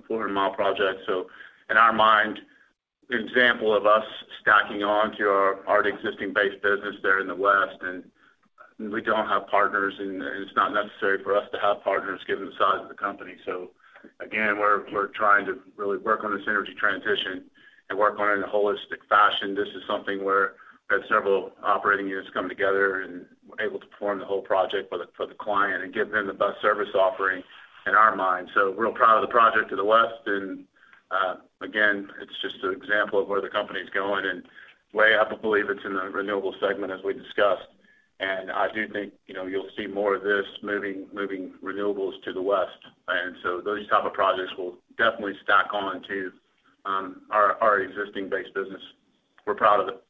400 mi project. In our mind, an example of us stacking on to our existing base business there in the west. We don't have partners, and it's not necessary for us to have partners given the size of the company. So again, we're trying to really work on this energy transition and work on it in a holistic fashion. This is something where we have several operating units coming together and able to perform the whole project for the client and give them the best service offering in our mind. So we're real proud of the project to the west. Again, it's just an example of where the company's going and way up. I believe it's in the renewable segment, as we discussed. I do think, you know, you'll see more of this moving renewables to the west. These type of projects will definitely stack on to our existing base business. We're proud of it.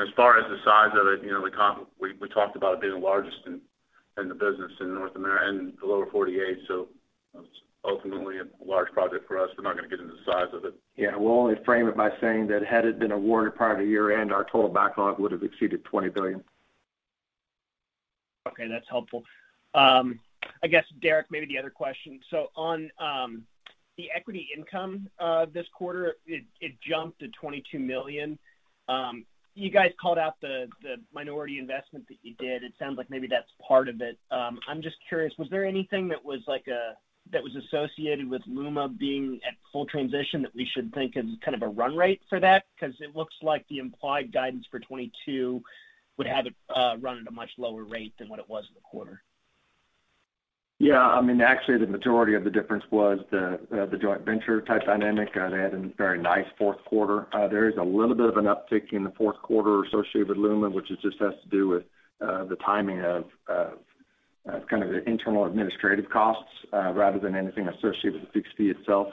As far as the size of it, you know, we talked about it being the largest in the business in the lower 48, so it's ultimately a large project for us. We're not gonna get into the size of it. Yeah. We'll only frame it by saying that had it been awarded prior to year-end, our total backlog would have exceeded $20 billion. Okay. That's helpful. I guess, Derrick, maybe the other question. On the equity income this quarter, it jumped to $22 million. You guys called out the minority investment that you did. It sounds like maybe that's part of it. I'm just curious, was there anything that was like that was associated with LUMA being at full transition that we should think as kind of a run rate for that? 'Cause it looks like the implied guidance for 2022 would have it run at a much lower rate than what it was in the quarter. Yeah. I mean, actually, the majority of the difference was the joint venture type dynamic. They had a very nice fourth quarter. There is a little bit of an uptick in the fourth quarter associated with LUMA, which it just has to do with the timing of kind of the internal administrative costs rather than anything associated with the fixed fee itself.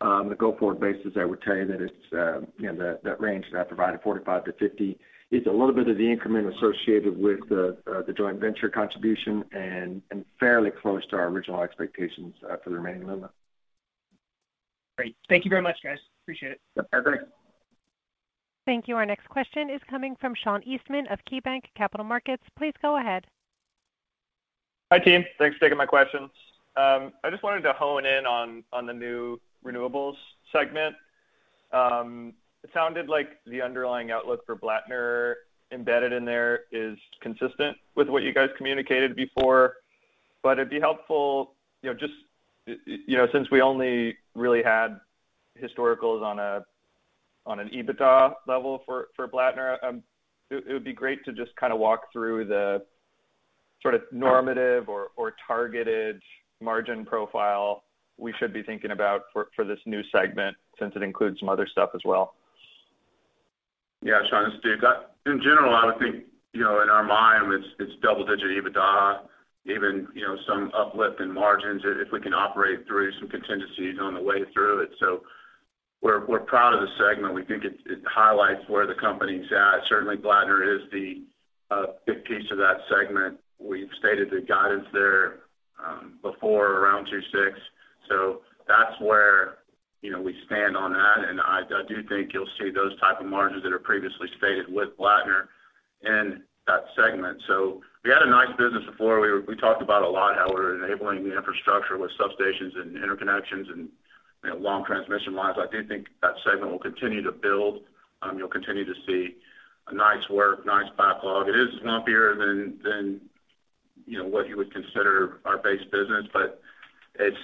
The go-forward basis, I would tell you that it's you know, that range that I provided, $45 million-$50 million, is a little bit of the increment associated with the joint venture contribution and fairly close to our original expectations for the remaining LUMA. Great. Thank you very much, guys. Appreciate it. Yep. All right. Great. Thank you. Our next question is coming from Sean Eastman of KeyBanc Capital Markets. Please go ahead. Hi, team. Thanks for taking my questions. I just wanted to hone in on the new renewables segment. It sounded like the underlying outlook for Blattner embedded in there is consistent with what you guys communicated before. It'd be helpful, you know, just, you know, since we only really had historicals on an EBITDA level for Blattner, it would be great to just kind of walk through the sort of normative or targeted margin profile we should be thinking about for this new segment since it includes some other stuff as well. Yeah, Sean, this is Duke. In general, I would think, you know, in our mind, it's double-digit EBITDA, even, you know, some uplift in margins if we can operate through some contingencies on the way through it. We're proud of the segment. We think it highlights where the company's at. Certainly, Blattner is the big piece of that segment. We've stated the guidance there before around $2.6 billion. That's where, you know, we stand on that, and I do think you'll see those type of margins that are previously stated with Blattner in that segment. So we had a nice business before. We talked about a lot how we're enabling the infrastructure with substations and interconnections and, you know, long transmission lines. I do think that segment will continue to build. You'll continue to see a nice growth, nice backlog. It is bumpier than you know what you would consider our base business, but it's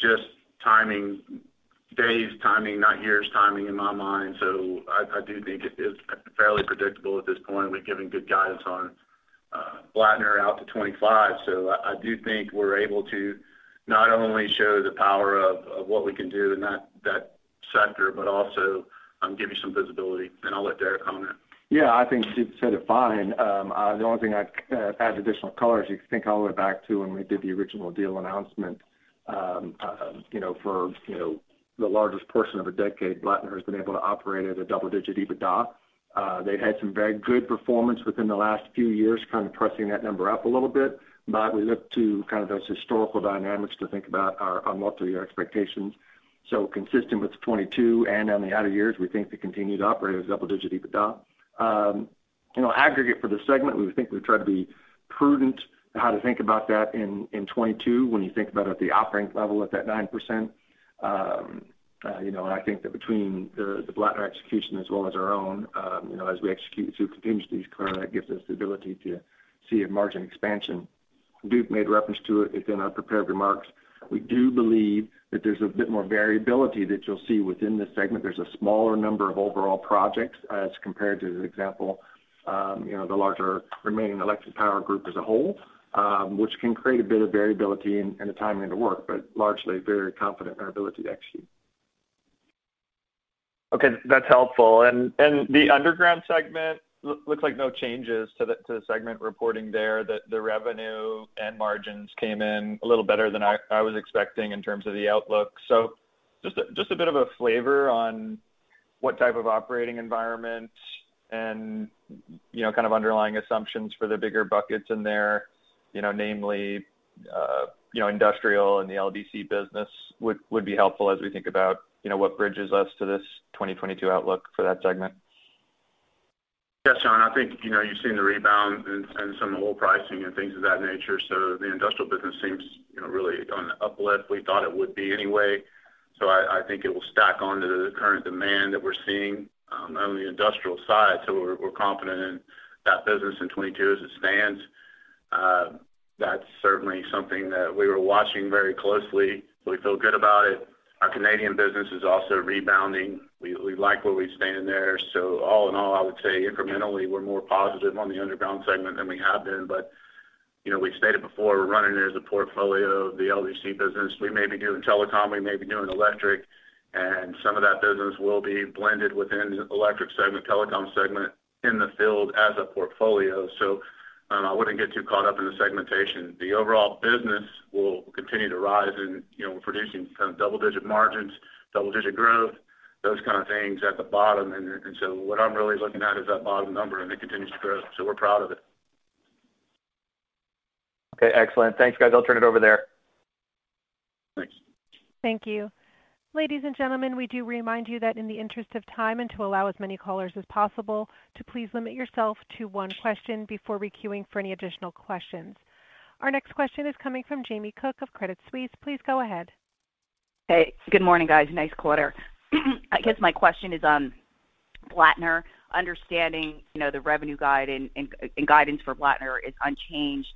just timing, days timing, not years timing in my mind. I do think it is fairly predictable at this point. We're giving good guidance on Blattner out to 2025. I do think we're able to not only show the power of what we can do in that sector, but also give you some visibility, and I'll let Derrick comment. Yeah. I think Duke said it fine. The only thing I'd add additional color is you think all the way back to when we did the original deal announcement, you know, for, you know, the largest portion of a decade, Blattner has been able to operate at a double-digit EBITDA. They've had some very good performance within the last few years, kind of pressing that number up a little bit, but we look to kind of those historical dynamics to think about our multi-year expectations. Consistent with 2022 and on the outer years, we think they continue to operate as double-digit EBITDA. You know, aggregate for the segment, we think we've tried to be prudent in how to think about that in 2022 when you think about it at the operating level at that 9%. You know, I think that between the Blattner execution as well as our own, you know, as we execute through contingencies, Claire, that gives us the ability to see a margin expansion. Duke made reference to it within our prepared remarks. We do believe that there's a bit more variability that you'll see within this segment. There's a smaller number of overall projects as compared to the example, you know, the larger remaining electric power group as a whole, which can create a bit of variability in the timing of the work, but largely very confident in our ability to execute. Okay. That's helpful. And the underground segment looks like no changes to the segment reporting there, that the revenue and margins came in a little better than I was expecting in terms of the outlook. Just a bit of a flavor on what type of operating environment and, you know, kind of underlying assumptions for the bigger buckets in there, you know, namely, industrial and the LDC business would be helpful as we think about, you know, what bridges us to this 2022 outlook for that segment. Yeah, Sean. I think, you know, you've seen the rebound in some oil pricing and things of that nature. So the industrial business seems, you know, really on the uplift we thought it would be anyway. So I think it will stack onto the current demand that we're seeing on the industrial side. So we're confident in that business in 2022 as it stands. That's certainly something that we were watching very closely. We feel good about it. Our Canadian business is also rebounding. We like where we stand there. So all in all, I would say incrementally, we're more positive on the underground segment than we have been. But, you know, we've stated before, we're running it as a portfolio of the LDC business. We may be doing telecom, we may be doing electric, and some of that business will be blended within the electric segment, telecom segment in the field as a portfolio. So I wouldn't get too caught up in the segmentation. The overall business will continue to rise, and you know, we're producing kind of double-digit margins, double-digit growth, those kind of things at the bottom, what I'm really looking at is that bottom number, and it continues to grow, so we're proud of it. Okay, excellent. Thanks, guys. I'll turn it over there. Thanks. Thank you. Ladies and gentlemen, we do remind you that in the interest of time and to allow as many callers as possible, to please limit yourself to one question before requeuing for any additional questions. Our next question is coming from Jamie Cook of Credit Suisse. Please go ahead. Hey, good morning, guys. Nice quarter. I guess my question is on Blattner. Understanding you know the revenue guide and guidance for Blattner is unchanged.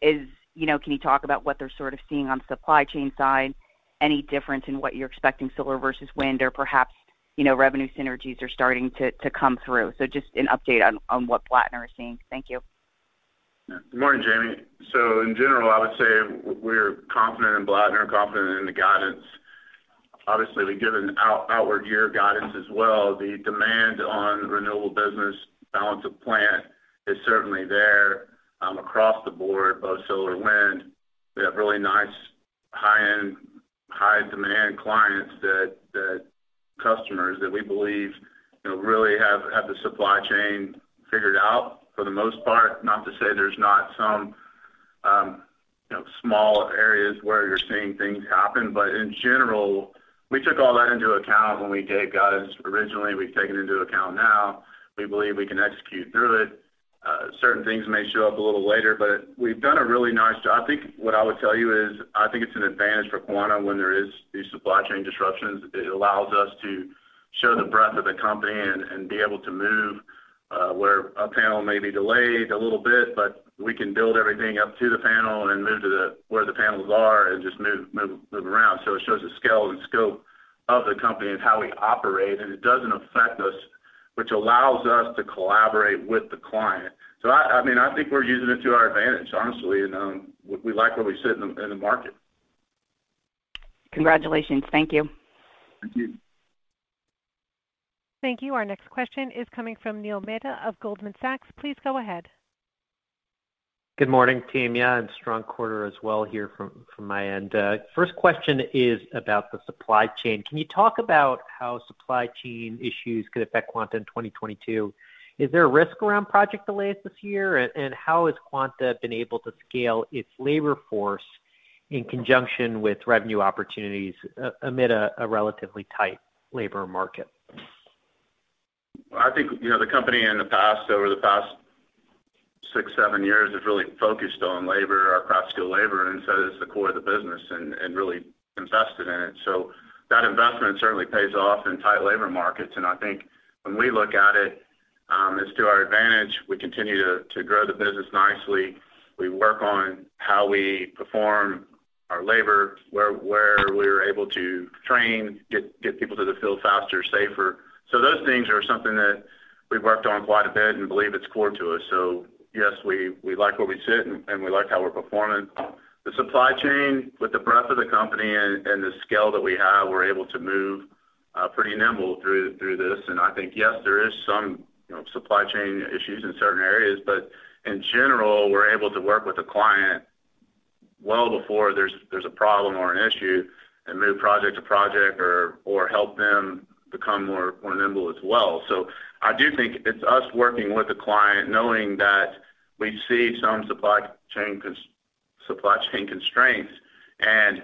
You know, can you talk about what they're sort of seeing on supply chain side? Any difference in what you're expecting solar versus wind? Or perhaps, you know, revenue synergies are starting to come through. So just an update on what Blattner is seeing. Thank you. Good morning, Jamie. In general, I would say we're confident in Blattner, confident in the guidance. Obviously, we've given outward year guidance as well. The demand on renewable business balance of plant is certainly there across the board, both solar and wind. We have really nice high-end, high-demand clients that customers that we believe you know really have the supply chain figured out for the most part. Not to say there's not some you know small areas where you're seeing things happen. But in general, we took all that into account when we gave guidance originally. We've taken it into account now. We believe we can execute through it. Certain things may show up a little later, but we've done a really nice job. I think what I would tell you is, I think it's an advantage for Quanta when there is these supply chain disruptions. It allows us to show the breadth of the company and be able to move where a panel may be delayed a little bit, but we can build everything up to the panel and then move to where the panels are and just move around. It shows the scale and scope of the company and how we operate, and it doesn't affect us, which allows us to collaborate with the client. I mean, I think we're using it to our advantage, honestly, you know? We like where we sit in the market. Congratulations. Thank you. Thank you. Thank you. Our next question is coming from Neil Mehta of Goldman Sachs. Please go ahead. Good morning, team. Yeah, strong quarter as well here from my end. First question is about the supply chain. Can you talk about how supply chain issues could affect Quanta in 2022? Is there a risk around project delays this year? How has Quanta been able to scale its labor force in conjunction with revenue opportunities amid a relatively tight labor market? I think, you know, the company in the past, over the past six, seven years, has really focused on labor, our craft skill labor. It's the core of the business and really invested in it. That investment certainly pays off in tight labor markets. I think when we look at it's to our advantage. We continue to grow the business nicely. We work on how we perform our labor, where we're able to train, get people to the field faster, safer. Those things are something that we've worked on quite a bit and believe it's core to us. Yes, we like where we sit and we like how we're performing. The supply chain with the breadth of the company and the scale that we have, we're able to move pretty nimble through this. I think, yes, there is some, you know, supply chain issues in certain areas. But in general, we're able to work with a client well before there's a problem or an issue and move project to project or help them become more nimble as well. I do think it's us working with a client knowing that we see some supply chain constraints and,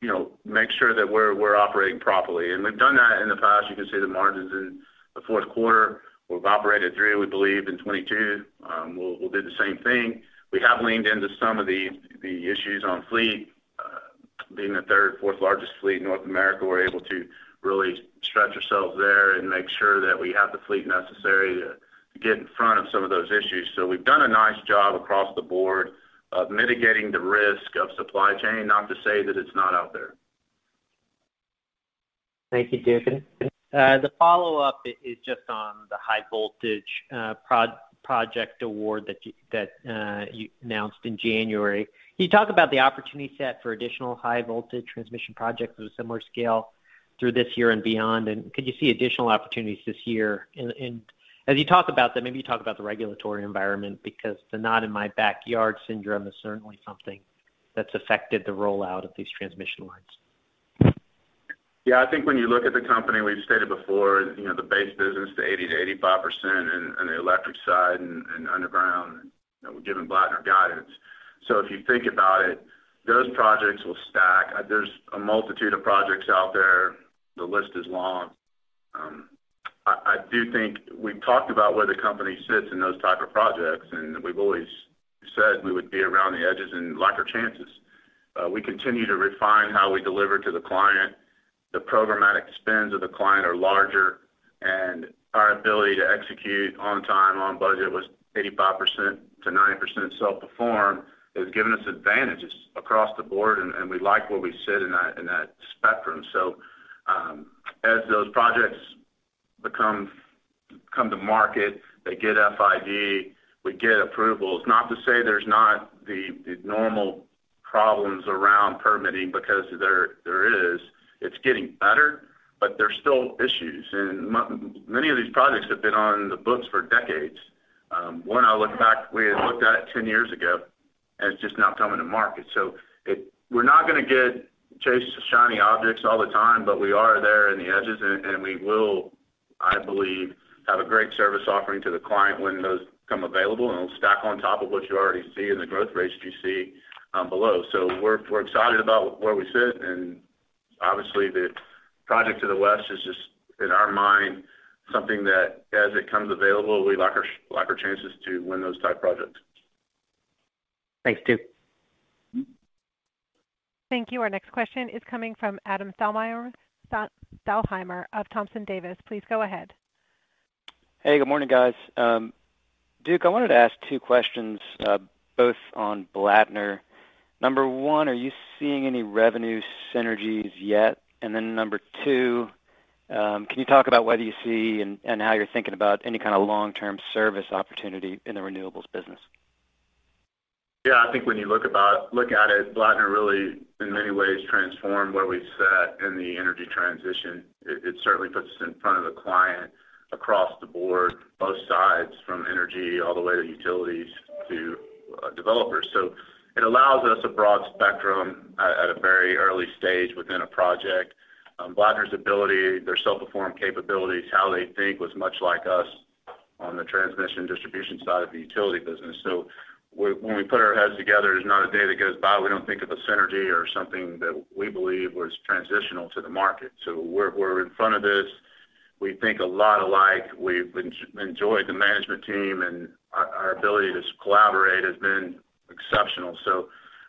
you know, make sure that we're operating properly. We've done that in the past. You can see the margins in the fourth quarter. We've operated through it. We believe in 2022 we'll do the same thing. We have leaned into some of the issues on fleet. Being the third, fourth largest fleet in North America, we're able to really stretch ourselves there and make sure that we have the fleet necessary to get in front of some of those issues. We've done a nice job across the board of mitigating the risk of supply chain. Not to say that it's not out there. Thank you, David. The follow-up is just on the high voltage project award that you announced in January. Can you talk about the opportunity set for additional high voltage transmission projects of a similar scale through this year and beyond? And could you see additional opportunities this year? And as you talk about that, maybe you talk about the regulatory environment because the not in my backyard syndrome is certainly something that's affected the rollout of these transmission lines. Yeah. I think when you look at the company, we've stated before, you know, the base business to 80%-85% in the electric side and underground. You know, we've given Blattner guidance. If you think about it, those projects will stack. There's a multitude of projects out there. The list is long. I do think we've talked about where the company sits in those type of projects, and we've always said we would be around the edges and like our chances. We continue to refine how we deliver to the client. The programmatic spends of the client are larger, and our ability to execute on time, on budget with 85%-90% self-perform has given us advantages across the board, and we like where we sit in that spectrum. As those projects come to market, they get FID, we get approvals. Not to say there's not the normal problems around permitting, because there is. It's getting better, but there's still issues. Many of these projects have been on the books for decades. When I look back, we had looked at it 10 years ago, and it's just now coming to market. We're not gonna get to chase shiny objects all the time, but we are on the edges. We will, I believe, have a great service offering to the client when those become available, and it'll stack on top of what you already see and the growth rates you see below. So we're excited about where we sit, and obviously, the project to the west is just, in our mind, something that, as it comes available, we like our chances to win those type projects. Thanks, Duke. Thank you. Our next question is coming from Adam Thalhimer of Thompson Davis. Please go ahead. Hey, good morning, guys. Duke, I wanted to ask two questions, both on Blattner. Number one, are you seeing any revenue synergies yet? And then number two, can you talk about whether you see and how you're thinking about any kind of long-term service opportunity in the renewables business? Yeah, I think when you look at it, Blattner really in many ways transformed where we sat in the energy transition. It certainly puts us in front of the client across the board, both sides, from energy all the way to utilities to developers. So it allows us a broad spectrum at a very early stage within a project. Blattner's ability, their self-perform capabilities, how they think was much like us on the transmission distribution side of the utility business. When we put our heads together, there's not a day that goes by we don't think of a synergy or something that we believe was transitional to the market. We're in front of this. We think a lot alike. We've enjoyed the management team, and our ability to collaborate has been exceptional.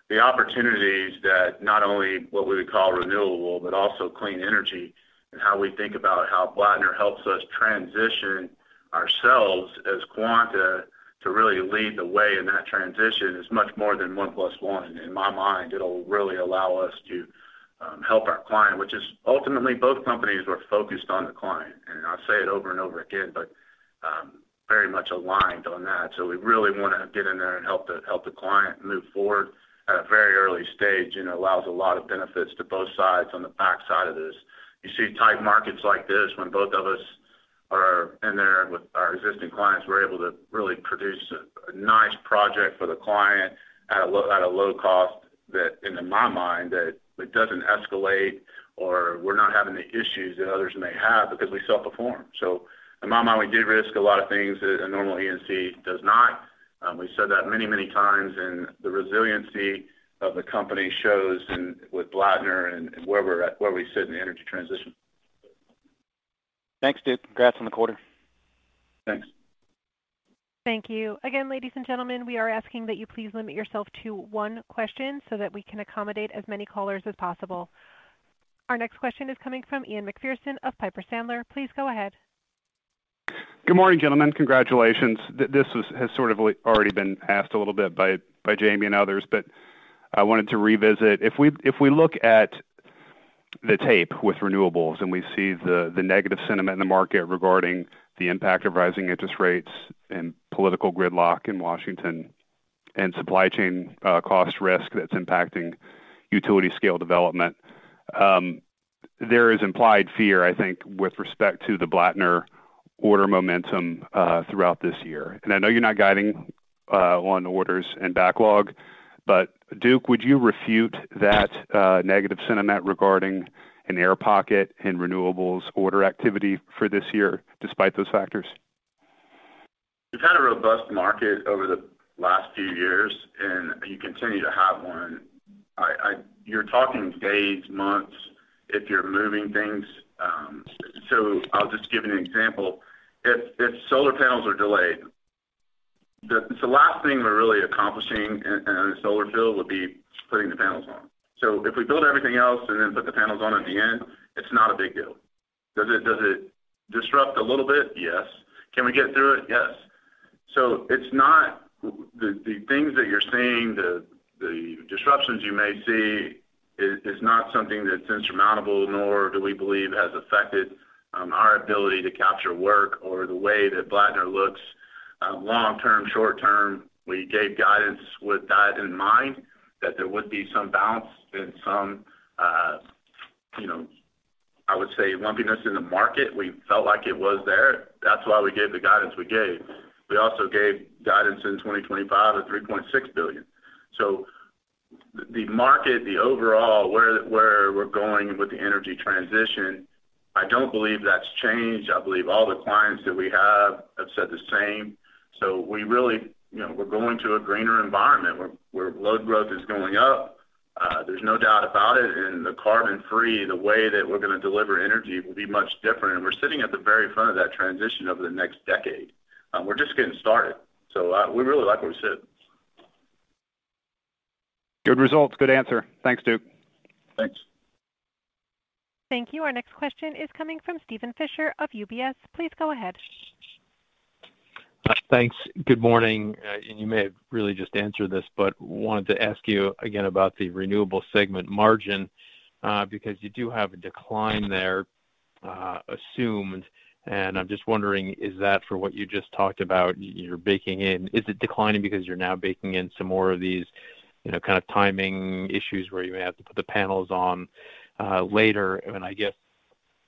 The opportunities that not only what we would call renewable, but also clean energy and how we think about how Blattner helps us transition ourselves as Quanta to really lead the way in that transition is much more than one plus one. In my mind, it'll really allow us to help our client, which is ultimately both companies were focused on the client. I'll say it over and over again, but very much aligned on that. We really wanna get in there and help the client move forward at a very early stage, and it allows a lot of benefits to both sides on the back side of this. You see tight markets like this when both of us are in there with our existing clients, we're able to really produce a nice project for the client at a low cost that in my mind that it doesn't escalate or we're not having the issues that others may have because we self-perform. In my mind, we de-risk a lot of things that a normal E&C does not. We've said that many, many times, and the resiliency of the company shows with Blattner and where we're at, where we sit in the energy transition. Thanks, Duke. Congrats on the quarter. Thanks. Thank you. Again, ladies and gentlemen, we are asking that you please limit yourself to one question so that we can accommodate as many callers as possible. Our next question is coming from Ian Macpherson of Piper Sandler. Please go ahead. Good morning, gentlemen. Congratulations. This has sort of already been asked a little bit by Jamie and others, but I wanted to revisit. If we look at the tape with renewables and we see the negative sentiment in the market regarding the impact of rising interest rates and political gridlock in Washington and supply chain cost risk that's impacting utility scale development, there is implied fear, I think, with respect to the Blattner order momentum throughout this year. I know you're not guiding on orders and backlog, but Duke, would you refute that negative sentiment regarding an air pocket in renewables order activity for this year despite those factors? We've had a robust market over the last few years, and you continue to have one. You're talking days, months if you're moving things. I'll just give you an example. If solar panels are delayed, the last thing we're really accomplishing in a solar field would be putting the panels on. If we build everything else and then put the panels on at the end, it's not a big deal. Does it disrupt a little bit? Yes. Can we get through it? Yes. It's not the things that you're seeing, the disruptions you may see is not something that's insurmountable, nor do we believe has affected our ability to capture work or the way that Blattner looks long term, short term. We gave guidance with that in mind, that there would be some bounce and some, you know, I would say lumpiness in the market. We felt like it was there. That's why we gave the guidance we gave. We also gave guidance in 2025 of $3.6 billion. The market, the overall, where we're going with the energy transition, I don't believe that's changed. I believe all the clients that we have have said the same. We really, you know, we're going to a greener environment where load growth is going up. There's no doubt about it. The carbon free, the way that we're gonna deliver energy will be much different. We're sitting at the very front of that transition over the next decade. We're just getting started. We really like where we sit. Good results. Good answer. Thanks, Duke. Thanks. Thank you. Our next question is coming from Steven Fisher of UBS. Please go ahead. Thanks. Good morning. You may have really just answered this, but wanted to ask you again about the renewable segment margin, because you do have a decline there. Assumed. I'm just wondering, is that for what you just talked about, you're baking in? Is it declining because you're now baking in some more of these, you know, kind of timing issues where you may have to put the panels on later? I guess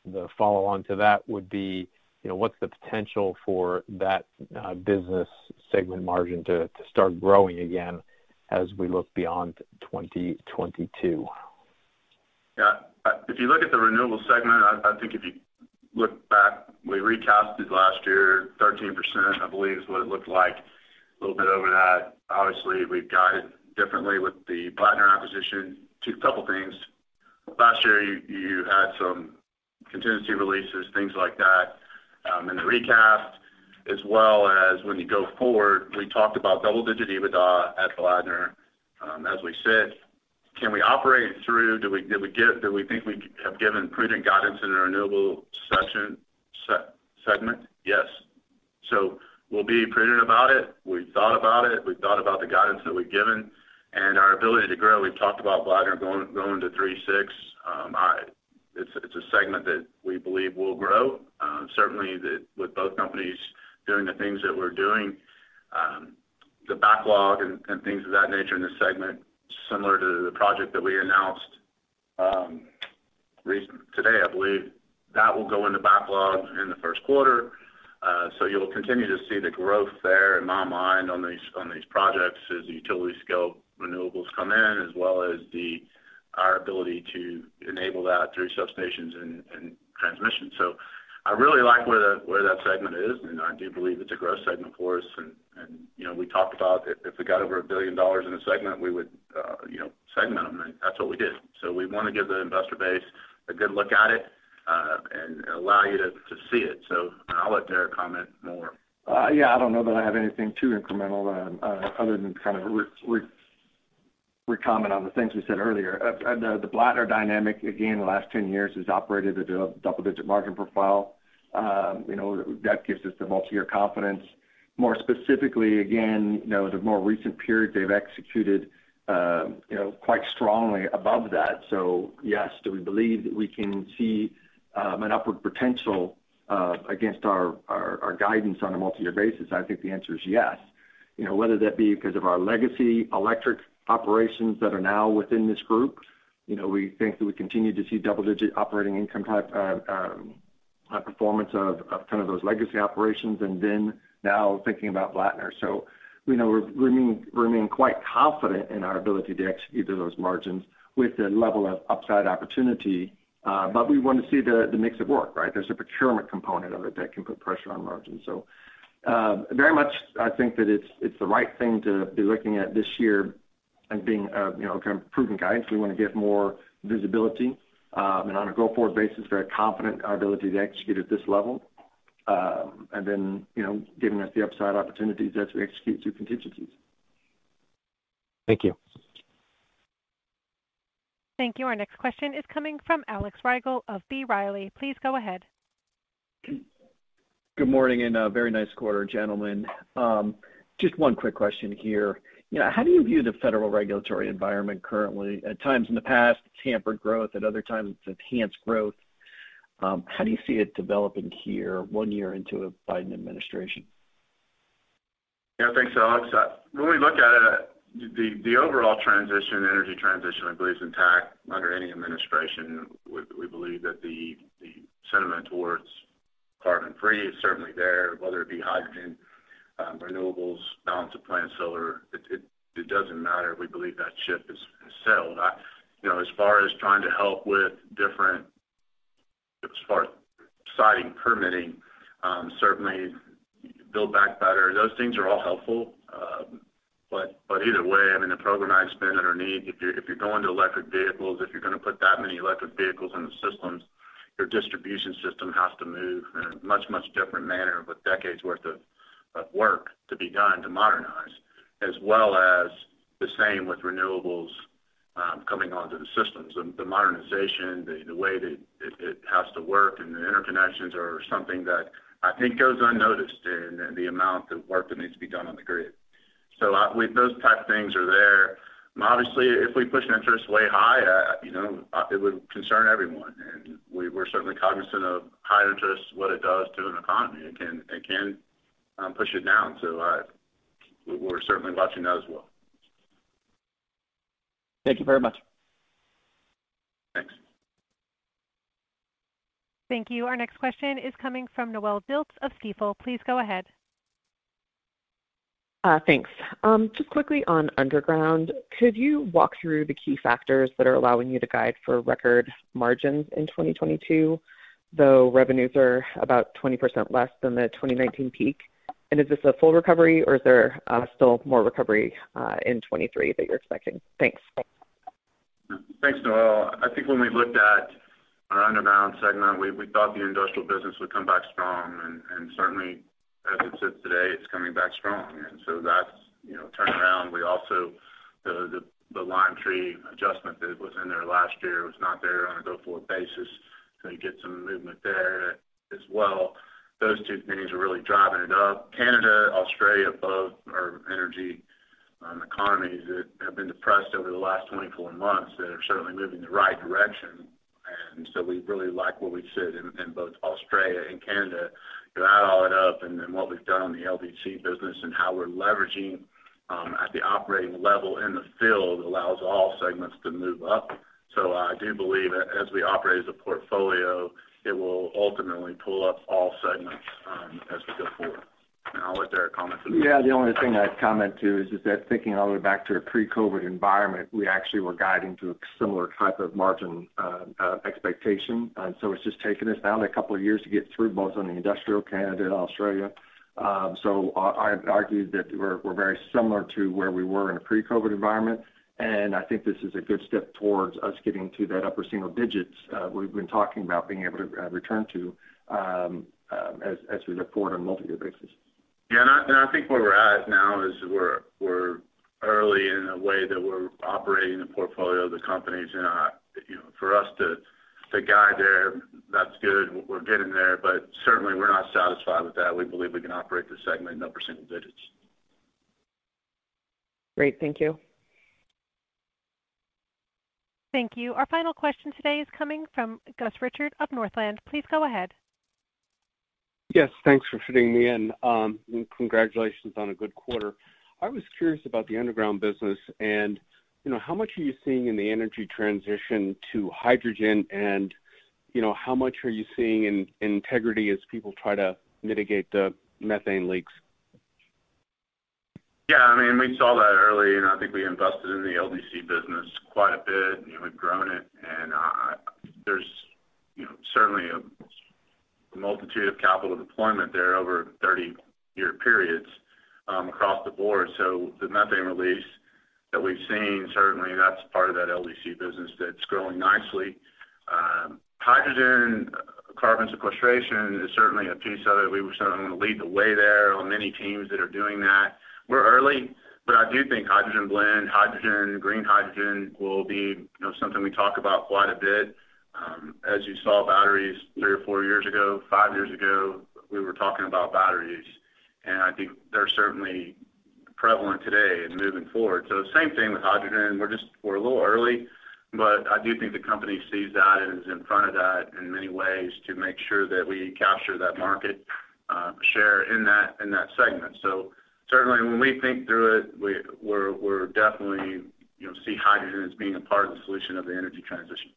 the follow on to that would be, you know, what's the potential for that business segment margin to start growing again as we look beyond 2022? Yeah. If you look at the renewable segment, I think if you look back, we recasted last year 13%, I believe is what it looked like, a little bit over that. Obviously, we've guided differently with the Blattner acquisition. A couple things. Last year, you had some contingency releases, things like that, in the recast as well as when you go forward. We talked about double-digit EBITDA at Blattner, as we said. Can we operate it through? Do we think we have given prudent guidance in our renewable segment? Yes. We'll be prudent about it. We've thought about it. We've thought about the guidance that we've given and our ability to grow. We've talked about Blattner going to three/six. It's a segment that we believe will grow. Certainly with both companies doing the things that we're doing, the backlog and things of that nature in this segment, similar to the project that we announced today, I believe. That will go in the backlog in the first quarter. You'll continue to see the growth there in my mind on these projects as the utility scale renewables come in, as well as our ability to enable that through substations and transmission. So I really like where that segment is, and I do believe it's a growth segment for us. You know, we talked about if it got over $1 billion in a segment, we would, you know, segment them, and that's what we did. We want to give the investor base a good look at it, and allow you to see it. I'll let Derrick comment more. Yeah, I don't know that I have anything too incremental, other than kind of re-comment on the things we said earlier. The Blattner dynamic, again, the last 10 years has operated at a double-digit margin profile. You know, that gives us the multi-year confidence. More specifically, again, you know, the more recent period they've executed, you know, quite strongly above that. So yes, do we believe that we can see an upward potential against our guidance on a multi-year basis? I think the answer is yes. You know, whether that be because of our legacy electric operations that are now within this group. You know, we think that we continue to see double-digit operating income type performance of kind of those legacy operations and then now thinking about Blattner. We know we remain quite confident in our ability to execute to those margins with the level of upside opportunity. But we want to see the mix of work, right? There's a procurement component of it that can put pressure on margins. So very much I think that it's the right thing to be looking at this year and being, you know, kind of prudent guidance. We want to get more visibility, and on a go-forward basis, very confident in our ability to execute at this level, and then, you know, giving us the upside opportunities as we execute through contingencies. Thank you. Thank you. Our next question is coming from Alex Rygiel of B Riley. Please go ahead. Good morning, and a very nice quarter, gentlemen. Just one quick question here. You know, how do you view the federal regulatory environment currently? At times in the past, it's hampered growth. At other times, it's enhanced growth. How do you see it developing here one year into a Biden administration? Yeah. Thanks, Alex. When we look at it, the overall transition, energy transition, I believe is intact under any administration. We believe that the sentiment towards carbon-free is certainly there, whether it be hydrogen, renewables, balance of plant solar, it doesn't matter. We believe that ship has sailed. You know, as far as siting permitting, certainly Build Back Better, those things are all helpful. But either way, I mean, the program we spend underneath, if you're going to electric vehicles, if you're going to put that many electric vehicles in the systems, your distribution system has to move in a much different manner with decades worth of work to be done to modernize, as well as the same with renewables coming onto the systems. The modernization, the way that it has to work and the interconnections are something that I think goes unnoticed in the amount of work that needs to be done on the grid. Those type of things are there. Obviously, if we push interest way high, you know, it would concern everyone, and we're certainly cognizant of high interest, what it does to an economy. It can push it down. We're certainly watching that as well. Thank you very much. Thanks. Thank you. Our next question is coming from Noelle Dilts of Stifel. Please go ahead. Thanks. Just quickly on underground, could you walk through the key factors that are allowing you to guide for record margins in 2022, though revenues are about 20% less than the 2019 peak? Is this a full recovery or is there still more recovery in 2023 that you're expecting? Thanks. Thanks, Noelle. I think when we looked at our underground segment, we thought the industrial business would come back strong and certainly as it sits today, it's coming back strong. That's, you know, turned around. We also, the Limetree adjustment that was in there last year was not there on a go-forward basis, so you get some movement there as well. Those two things are really driving it up. Canada, Australia, above our energy economies that have been depressed over the last 24 months that are certainly moving in the right direction. We really like what we've seen in both Australia and Canada. You add all that up and then what we've done on the LDC business and how we're leveraging at the operating level in the field allows all segments to move up. I do believe as we operate as a portfolio, it will ultimately pull up all segments, as we go forward. I'll let Derrick comment to that. The only thing I'd comment to is that thinking all the way back to a pre-COVID environment, we actually were guiding to a similar type of margin expectation. It's just taken us now a couple of years to get through both on the industrial Canada and Australia. So I've argued that we're very similar to where we were in a pre-COVID environment, and I think this is a good step towards us getting to that upper single digits we've been talking about being able to return to as we look forward on a multi-year basis. Yeah. And I think where we're at now is we're early in a way that we're operating the portfolio of the companies. You know, for us to guide there, that's good. We're getting there, but certainly we're not satisfied with that. We believe we can operate this segment in upper single digits. Great. Thank you. Thank you. Our final question today is coming from Gus Richard of Northland. Please go ahead. Yes. Thanks for fitting me in. Congratulations on a good quarter. I was curious about the underground business and, you know, how much are you seeing in the energy transition to hydrogen and, you know, how much are you seeing in integrity as people try to mitigate the methane leaks? Yeah, I mean, we saw that early, and I think we invested in the LDC business quite a bit, and we've grown it. There's, you know, certainly a multitude of capital deployment there over 30-year periods, across the board. So the methane release that we've seen, certainly that's part of that LDC business that's growing nicely. Hydrogen carbon sequestration is certainly a piece of it. We certainly want to lead the way there. There are many teams that are doing that. We're early, but I do think hydrogen blend, hydrogen, green hydrogen will be, you know, something we talk about quite a bit. As you saw batteries three or four years ago, five years ago, we were talking about batteries, and I think they're certainly prevalent today and moving forward. Same thing with hydrogen. We're a little early, but I do think the company sees that and is in front of that in many ways to make sure that we capture that market share in that segment. So certainly when we think through it, we definitely, you know, see hydrogen as being a part of the solution of the energy transition.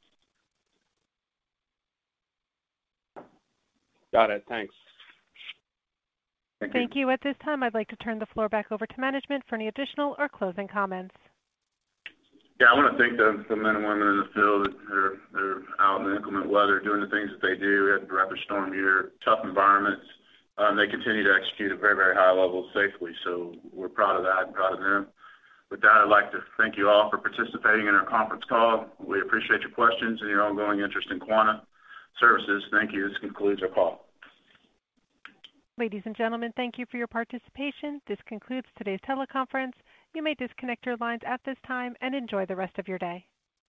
Got it. Thanks. Thank you. Thank you. At this time, I'd like to turn the floor back over to management for any additional or closing comments. Yeah. I wanna thank the men and women in the field that are out in inclement weather doing the things that they do. We had the winter storm here, tough environments. And they continue to execute at very, very high levels safely. We're proud of that and proud of them. With that, I'd like to thank you all for participating in our conference call. We appreciate your questions and your ongoing interest in Quanta Services. Thank you. This concludes our call. Ladies and gentlemen, thank you for your participation. This concludes today's teleconference. You may disconnect your lines at this time and enjoy the rest of your day.